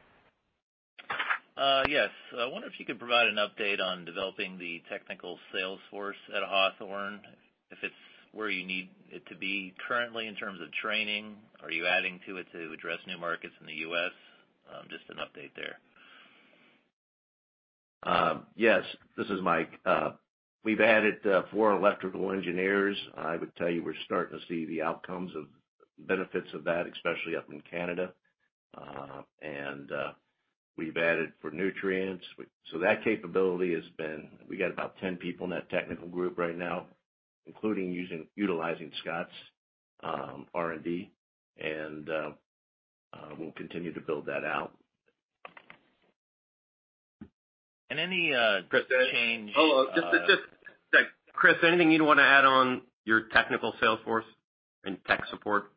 Yes. I wonder if you could provide an update on developing the technical sales force at Hawthorne, if it's where you need it to be currently in terms of training. Are you adding to it to address new markets in the U.S.? Just an update there. Yes, this is Mike. We've added four electrical engineers. I would tell you we're starting to see the outcomes of benefits of that, especially up in Canada. We've added for nutrients. That capability has been We got about 10 people in that technical group right now, including utilizing Scotts R&D, and we'll continue to build that out. Any change Chris, anything you'd want to add on your technical sales force and tech support?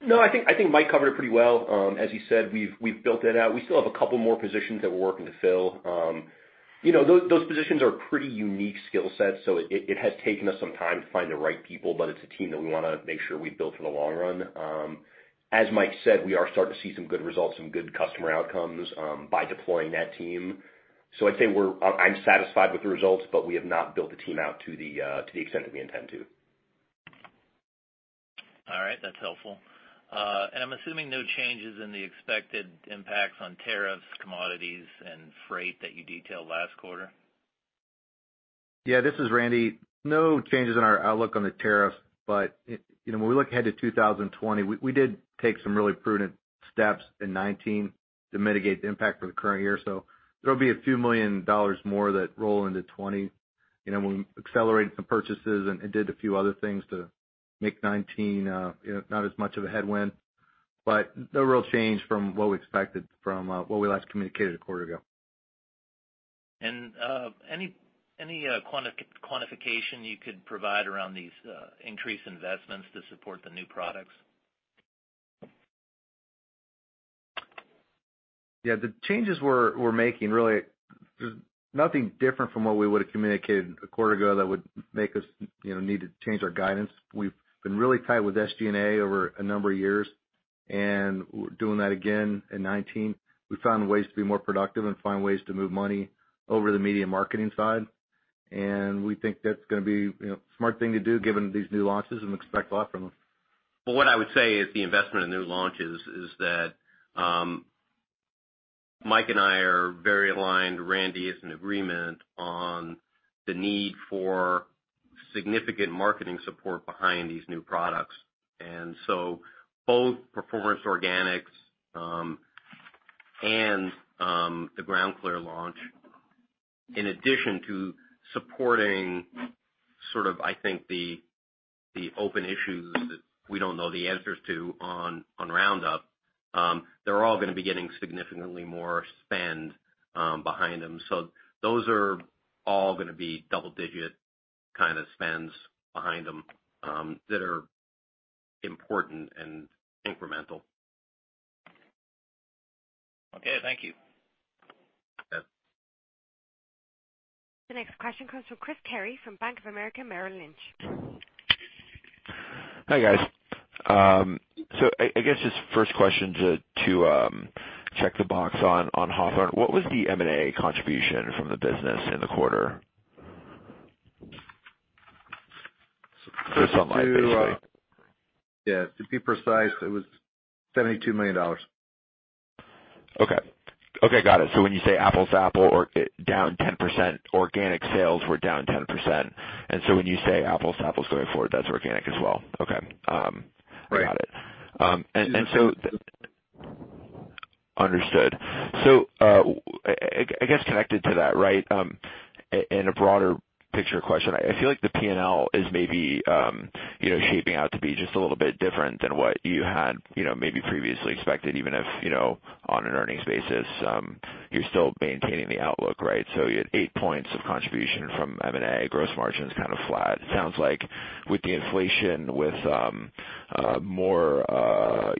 I think Mike covered it pretty well. As you said, we've built that out. We still have a couple more positions that we're working to fill. Those positions are pretty unique skill sets, so it has taken us some time to find the right people, but it's a team that we want to make sure we build for the long run. As Mike said, we are starting to see some good results, some good customer outcomes by deploying that team. I'd say I'm satisfied with the results, but we have not built the team out to the extent that we intend to. All right. That's helpful. I'm assuming no changes in the expected impacts on tariffs, commodities, and freight that you detailed last quarter? Yeah, this is Randy. No changes in our outlook on the tariff, but when we look ahead to 2020, we did take some really prudent steps in 2019 to mitigate the impact for the current year. There'll be a few million dollars more that roll into 2020. We accelerated some purchases and did a few other things to make 2019 not as much of a headwind, but no real change from what we expected from what we last communicated a quarter ago. Any quantification you could provide around these increased investments to support the new products? Yeah. The changes we're making really there's nothing different from what we would've communicated a quarter ago that would make us need to change our guidance. We've been really tight with SG&A over a number of years, we're doing that again in 2019. We found ways to be more productive and find ways to move money over to the media marketing side. We think that's gonna be a smart thing to do given these new launches and expect a lot from them. Well, what I would say is the investment in new launches is that Mike and I are very aligned, Randy is in agreement on the need for significant marketing support behind these new products. Both Performance Organics and the GroundClear launch, in addition to supporting sort of, I think, the open issues that we don't know the answers to on Roundup, they're all gonna be getting significantly more spend behind them. Those are all gonna be double-digit kind of spends behind them, that are important and incremental. Okay. Thank you. Yeah. The next question comes from Chris Carey from Bank of America Merrill Lynch. Hi, guys. I guess just first question to check the box on Hawthorne. What was the M&A contribution from the business in the quarter? Just Sunlight, basically. Yeah, to be precise, it was $72 million. Okay. Got it. When you say apples to apples, or down 10%, organic sales were down 10%. When you say apples to apples going forward, that's organic as well. Okay. Right. Got it. Understood. I guess connected to that, right? In a broader picture question, I feel like the P&L is maybe shaping out to be just a little bit different than what you had maybe previously expected, even if on an earnings basis, you're still maintaining the outlook, right? You had eight points of contribution from M&A, gross margin's kind of flat. Sounds like with the inflation, with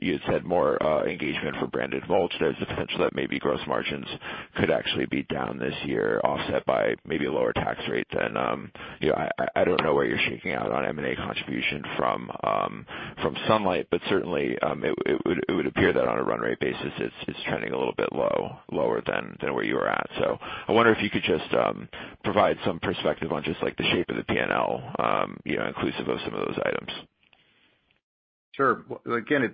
you had said more engagement for branded mulch, there's a potential that maybe gross margins could actually be down this year, offset by maybe a lower tax rate than I don't know where you're shaking out on M&A contribution from Sunlight, but certainly, it would appear that on a run rate basis, it's trending a little bit lower than where you were at. I wonder if you could just provide some perspective on just like the shape of the P&L inclusive of some of those items. Sure. Again, it's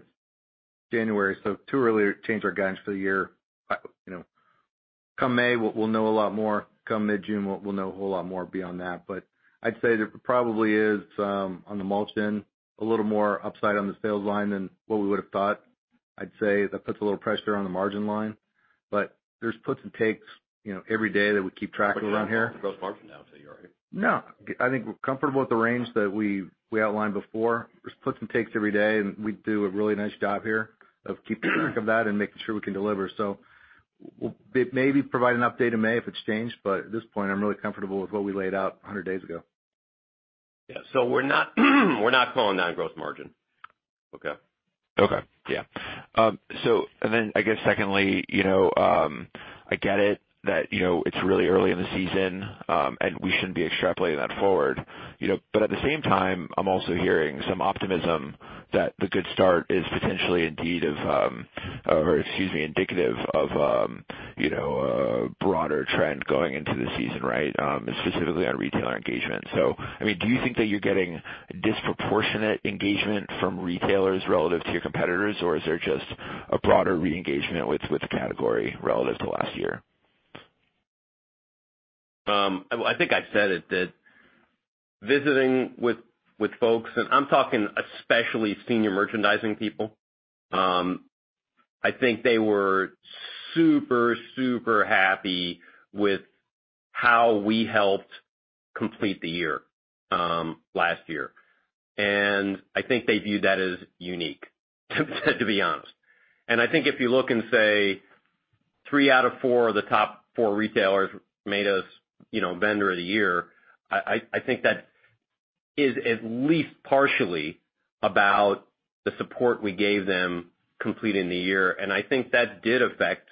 January, too early to change our guidance for the year. Come May, we'll know a lot more. Come mid-June, we'll know a whole lot more beyond that. I'd say there probably is, on the mulch end, a little more upside on the sales line than what we would've thought. I'd say that puts a little pressure on the margin line, but there's puts and takes every day that we keep track of around here. You're not dropping the gross margin down, so you're all right? No, I think we're comfortable with the range that we outlined before. There's puts and takes every day and we do a really nice job here of keeping track of that and making sure we can deliver. We maybe provide an update in May if it's changed, but at this point, I'm really comfortable with what we laid out 100 days ago. Yeah. We're not calling that gross margin. Okay. Okay. Yeah. I guess secondly, I get it that it's really early in the season, and we shouldn't be extrapolating that forward. At the same time, I'm also hearing some optimism that the good start is potentially indicative of a broader trend going into the season, right? Specifically on retailer engagement. I mean, do you think that you're getting disproportionate engagement from retailers relative to your competitors, or is there just a broader re-engagement with the category relative to last year? I think I've said it that visiting with folks, and I'm talking especially senior merchandising people, I think they were super happy with how we helped complete the year last year. I think they view that as unique, to be honest. I think if you look and say three out of four of the top four retailers made us Vendor of the Year, I think that is at least partially about the support we gave them completing the year. I think that did affect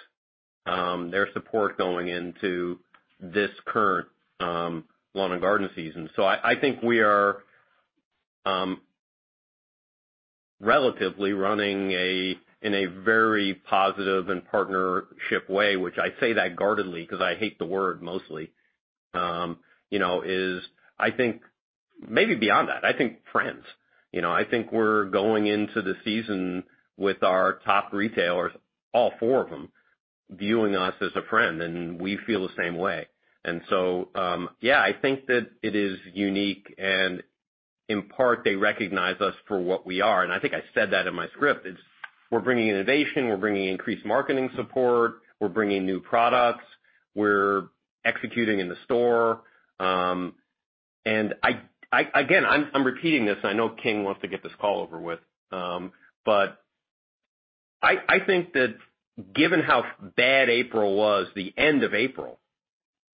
their support going into this current lawn and garden season. I think we are relatively running in a very positive and partnership way, which I say that guardedly because I hate the word mostly. I think maybe beyond that, I think friends. I think we're going into the season with our top retailers, all four of them, viewing us as a friend, and we feel the same way. Yeah, I think that it is unique and in part they recognize us for what we are, and I think I said that in my script. It's we're bringing innovation, we're bringing increased marketing support, we're bringing new products, we're executing in the store. Again, I'm repeating this and I know King wants to get this call over with. I think that given how bad April was, the end of April.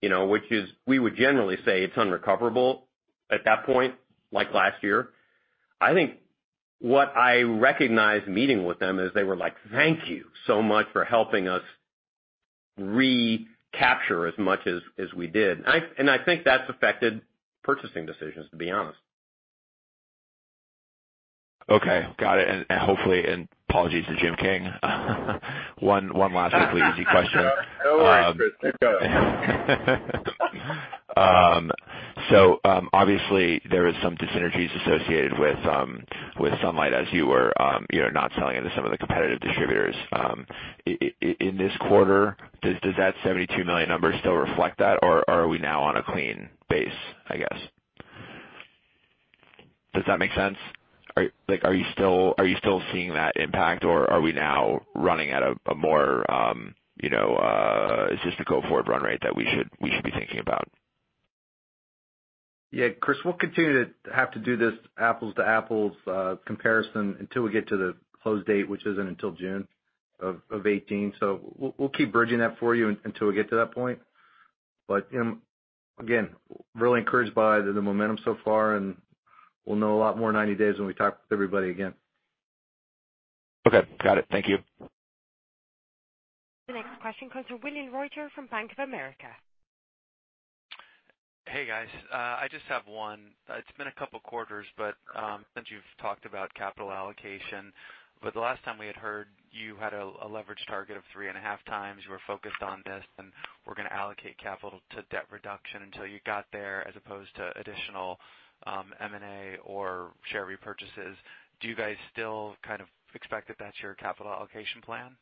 Which we would generally say it's unrecoverable at that point, like last year. I think what I recognized meeting with them is they were like, "Thank you so much for helping us recapture as much as we did." I think that's affected purchasing decisions, to be honest. Okay. Got it. Hopefully, and apologies to Jim King, one last hopefully easy question. No worries, Chris. Keep going. Obviously there is some dissynergies associated with Sunlight as you were not selling it to some of the competitive distributors. In this quarter, does that $72 million number still reflect that, or are we now on a clean base, I guess? Does that make sense? Are you still seeing that impact or are we now running at a more, just a go forward run rate that we should be thinking about? Yeah, Chris, we'll continue to have to do this apples to apples comparison until we get to the close date, which isn't until June of 2018. We'll keep bridging that for you until we get to that point. Again, really encouraged by the momentum so far, and we'll know a lot more in 90 days when we talk with everybody again. Okay. Got it. Thank you. The next question comes from William Reuter from Bank of America. Hey, guys. I just have one. It's been a couple quarters, but since you've talked about capital allocation, but the last time we had heard, you had a leverage target of three and a half times. You were focused on this, and were going to allocate capital to debt reduction until you got there, as opposed to additional M&A or share repurchases. Do you guys still kind of expect that that's your capital allocation plan?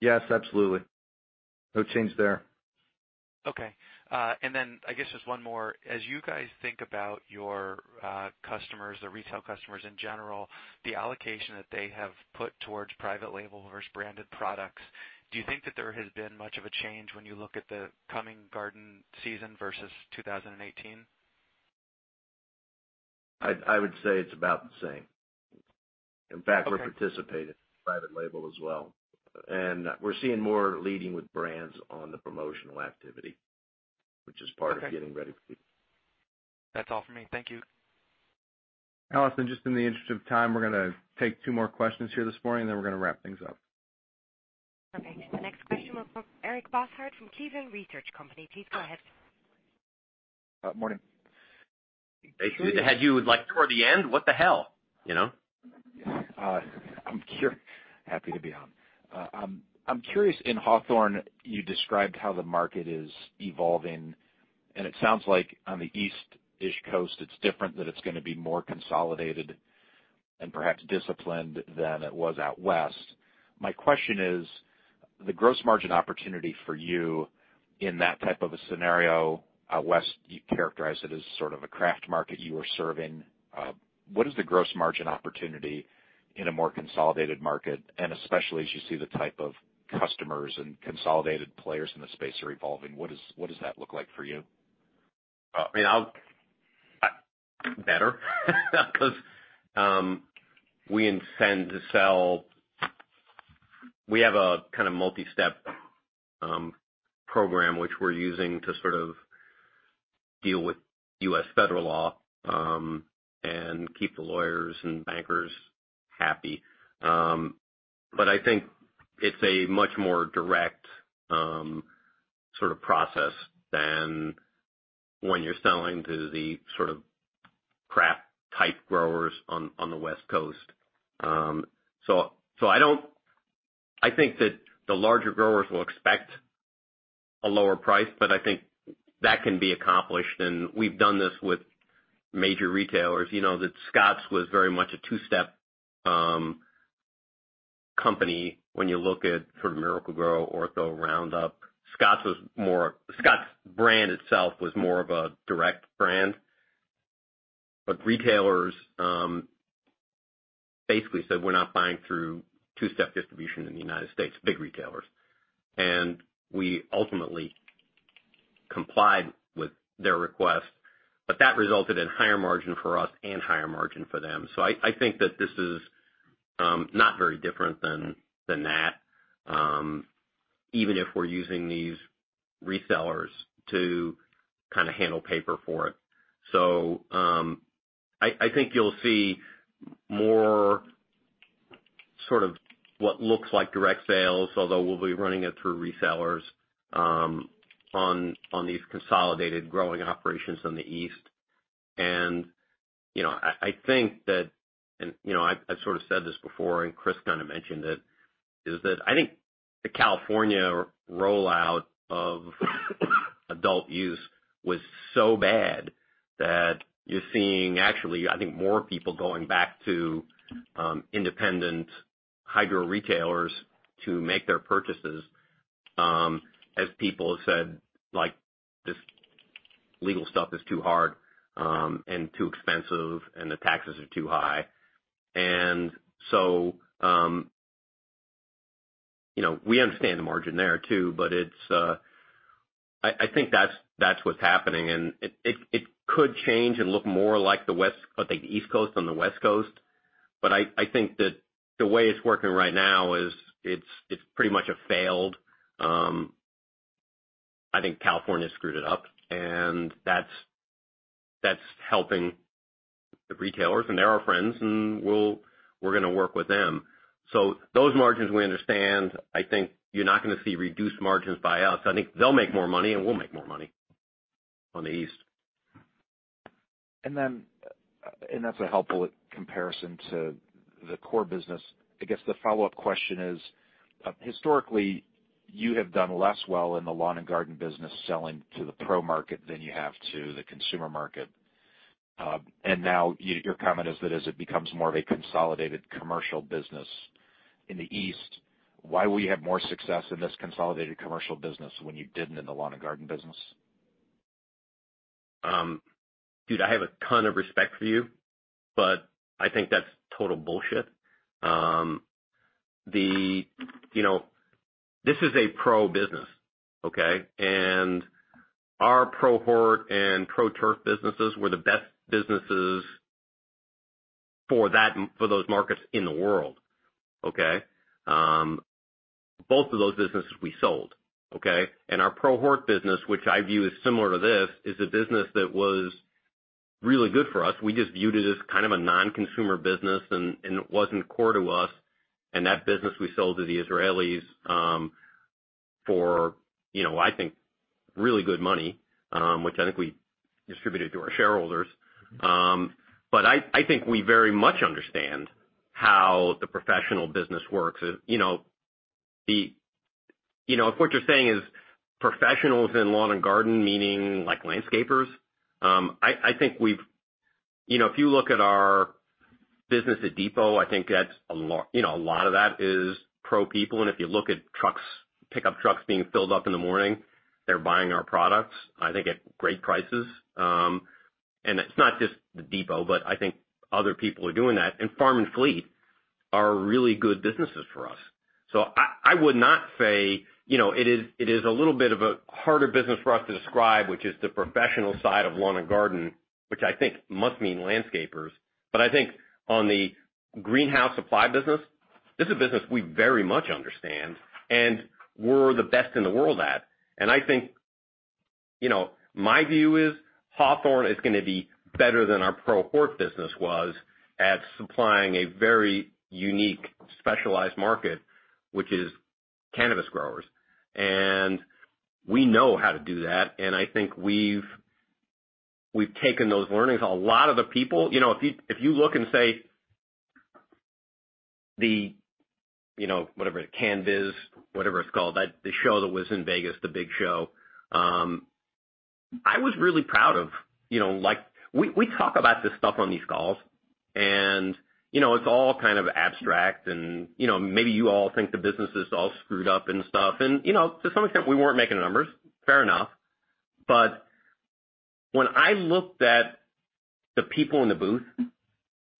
Yes, absolutely. No change there. Okay. Then I guess just one more. As you guys think about your customers or retail customers in general, the allocation that they have put towards private label versus branded products, do you think that there has been much of a change when you look at the coming garden season versus 2018? I would say it's about the same. Okay. In fact, we're participating in private label as well. We're seeing more leading with brands on the promotional activity. That's all for me. Thank you. Allison, just in the interest of time, we're going to take two more questions here this morning, then we're going to wrap things up. Okay. The next question will go Eric Bosshard from Cleveland Research Company. Please go ahead. Morning. Had you, like, toward the end. What the hell. Happy to be on. I'm curious, in Hawthorne, you described how the market is evolving, and it sounds like on the East-ish Coast, it's different, that it's going to be more consolidated and perhaps disciplined than it was out West. My question is, the gross margin opportunity for you in that type of a scenario, out West you characterize it as sort of a craft market you are serving. What is the gross margin opportunity in a more consolidated market? Especially as you see the type of customers and consolidated players in the space are evolving, what does that look like for you? Better because we have a kind of multi-step program, which we're using to sort of deal with U.S. federal law, and keep the lawyers and bankers happy. I think it's a much more direct sort of process than when you're selling to the sort of craft type growers on the West Coast. I think that the larger growers will expect a lower price, but I think that can be accomplished, and we've done this with major retailers. You know that Scotts was very much a two-step company when you look at sort of Miracle-Gro, Ortho, Roundup. Scotts brand itself was more of a direct brand. Retailers basically said, "We're not buying through two-step distribution in the United States," big retailers. We ultimately complied with their request, but that resulted in higher margin for us and higher margin for them. I think that this is not very different than that, even if we're using these resellers to kind of handle paper for it. I think you'll see more sort of what looks like direct sales, although we'll be running it through resellers on these consolidated growing operations on the East. I think that, and I've sort of said this before, and Chris kind of mentioned it, is that I think the California rollout of adult use was so bad that you're seeing actually, I think more people going back to independent high grow retailers to make their purchases, as people have said, like, "This legal stuff is too hard, and too expensive, and the taxes are too high." We understand the margin there too, but I think that's what's happening, and it could change and look more like the East Coast on the West Coast. I think that the way it's working right now is it's pretty much a failed I think California screwed it up, and that's helping the retailers, and they're our friends, and we're going to work with them. Those margins we understand. I think you're not going to see reduced margins by us. I think they'll make more money, and we'll make more money on the East. That's a helpful comparison to the core business. I guess the follow-up question is, historically, you have done less well in the lawn and garden business selling to the pro market than you have to the consumer market. Now your comment is that as it becomes more of a consolidated commercial business in the East, why will you have more success in this consolidated commercial business when you didn't in the lawn and garden business? Dude, I have a ton of respect for you, but I think that's total bullshit. This is a pro business, okay? Our ProHort and pro-turf businesses were the best businesses for those markets in the world, okay? Both of those businesses we sold, okay? Our ProHort business, which I view as similar to this, is a business that was really good for us. We just viewed it as kind of a non-consumer business, and it wasn't core to us. That business we sold to the Israelis for, I think, really good money, which I think we distributed to our shareholders. I think we very much understand how the professional business works. If what you're saying is professionals in lawn and garden, meaning like landscapers, if you look at our business at Depot, I think a lot of that is pro people. If you look at pickup trucks being filled up in the morning, they're buying our products, I think at great prices. It's not just the Depot, but I think other people are doing that. Farm and fleet are really good businesses for us. I would not say it is a little bit of a harder business for us to describe, which is the professional side of lawn and garden, which I think must mean landscapers. I think on the greenhouse supply business, this is a business we very much understand, and we're the best in the world at. I think my view is Hawthorne is going to be better than our ProHort business was at supplying a very unique, specialized market, which is cannabis growers. We know how to do that, and I think we've taken those learnings. A lot of the people, if you look and say the, whatever, Canviz, whatever it's called, the show that was in Vegas, the big show. I was really proud of. We talk about this stuff on these calls, and it's all kind of abstract, and maybe you all think the business is all screwed up and stuff. To some extent, we weren't making the numbers. Fair enough. When I looked at the people in the booth,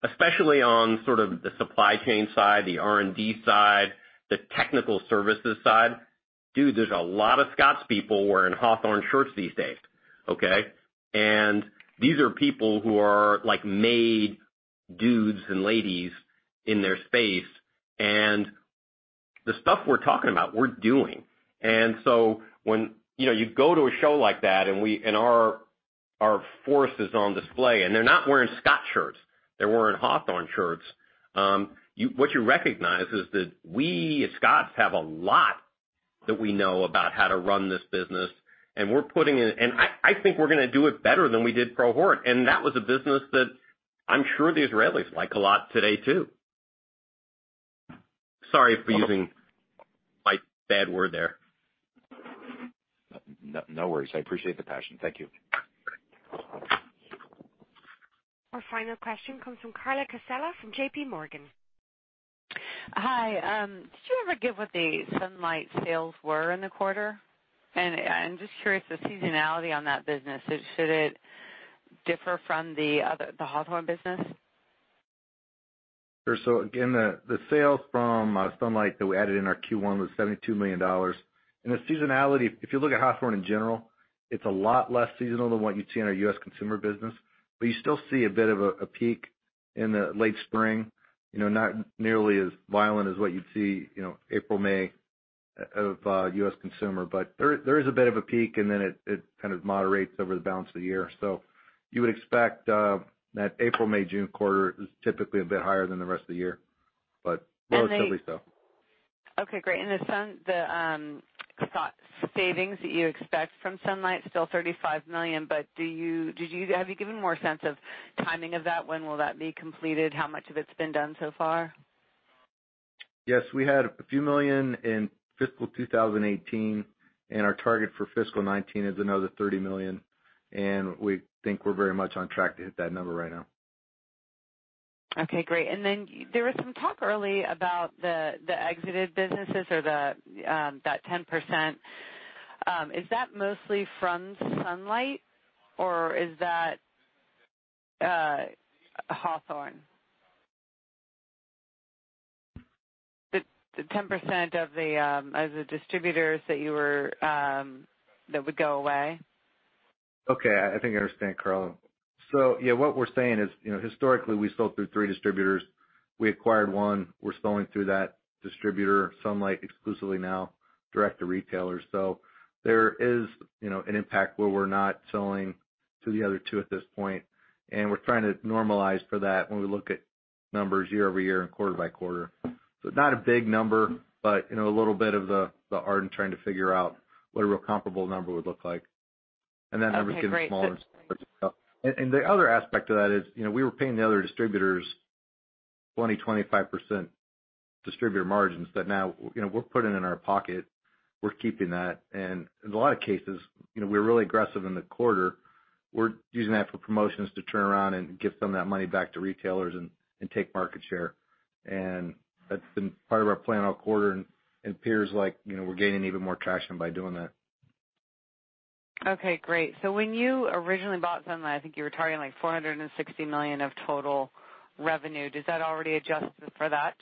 especially on sort of the supply chain side, the R&D side, the technical services side, dude, there's a lot of Scotts people wearing Hawthorne shirts these days, okay? These are people who are made dudes and ladies in their space. The stuff we're talking about, we're doing. When you go to a show like that and our force is on display, they're not wearing Scotts shirts, they're wearing Hawthorne shirts, what you recognize is that we at Scotts have a lot that we know about how to run this business. I think we're going to do it better than we did ProHort. That was a business that I'm sure the Israelis like a lot today, too. Sorry for using my bad word there. No worries. I appreciate the passion. Thank you. Our final question comes from Carla Casella from JPMorgan. Hi. Did you ever give what the Sunlight sales were in the quarter? I'm just curious, the seasonality on that business, should it differ from the Hawthorne business? Sure. Again, the sales from Sunlight that we added in our Q1 was $72 million. The seasonality, if you look at Hawthorne in general, it's a lot less seasonal than what you'd see in our U.S. consumer business. You still see a bit of a peak in the late spring, not nearly as violent as what you'd see April, May of U.S. consumer. There is a bit of a peak, and then it kind of moderates over the balance of the year. You would expect that April, May, June quarter is typically a bit higher than the rest of the year, but relatively so. Okay, great. The savings that you expect from Sunlight, still $35 million, but have you given more sense of timing of that? When will that be completed? How much of it's been done so far? Yes, we had a few million in fiscal 2018, and our target for fiscal 2019 is another $30 million, and we think we're very much on track to hit that number right now. Okay, great. There was some talk early about the exited businesses or that 10%. Is that mostly from Sunlight, or is that Hawthorne? The 10% of the distributors that would go away? Okay. I think I understand, Carla. Yeah, what we're saying is, historically, we sold through three distributors. We acquired one. We're selling through that distributor, Sunlight, exclusively now, direct to retailers. There is an impact where we're not selling to the other two at this point, and we're trying to normalize for that when we look at numbers year-over-year and quarter-by-quarter. Not a big number, but a little bit of the art in trying to figure out what a real comparable number would look like. Okay, great. The other aspect of that is, we were paying the other distributors 20%-25% distributor margins that now we're putting in our pocket. We're keeping that. In a lot of cases, we're really aggressive in the quarter. We're using that for promotions to turn around and give some of that money back to retailers and take market share. That's been part of our plan all quarter, and it appears like we're gaining even more traction by doing that. Okay, great. When you originally bought Sunlight, I think you were targeting like $460 million of total revenue. Does that already adjust for that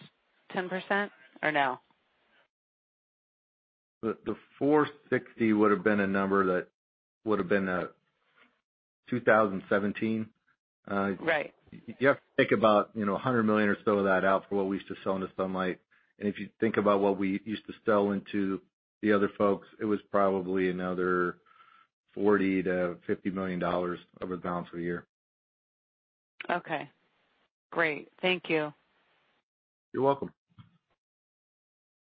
10% or no? The $460 would've been a number that would've been 2017. Right. You have to take about $100 million or so of that out for what we used to sell into Sunlight. If you think about what we used to sell into the other folks, it was probably another $40 million-$50 million over the balance of the year. Okay, great. Thank you. You're welcome.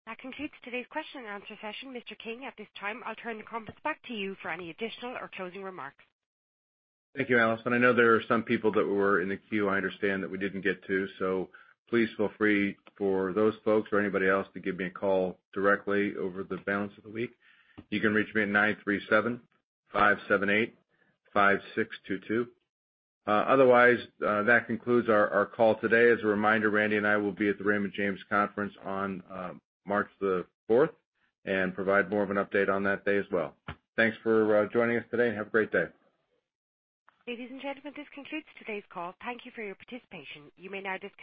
That concludes today's question and answer session. Mr. King, at this time, I'll turn the conference back to you for any additional or closing remarks. Thank you, Allison. I know there are some people that were in the queue I understand that we didn't get to. Please feel free for those folks or anybody else to give me a call directly over the balance of the week. You can reach me at 937-578-5622. Otherwise, that concludes our call today. As a reminder, Randy and I will be at the Raymond James Conference on March the fourth and provide more of an update on that day as well. Thanks for joining us today, and have a great day. Ladies and gentlemen, this concludes today's call. Thank you for your participation. You may now disconnect.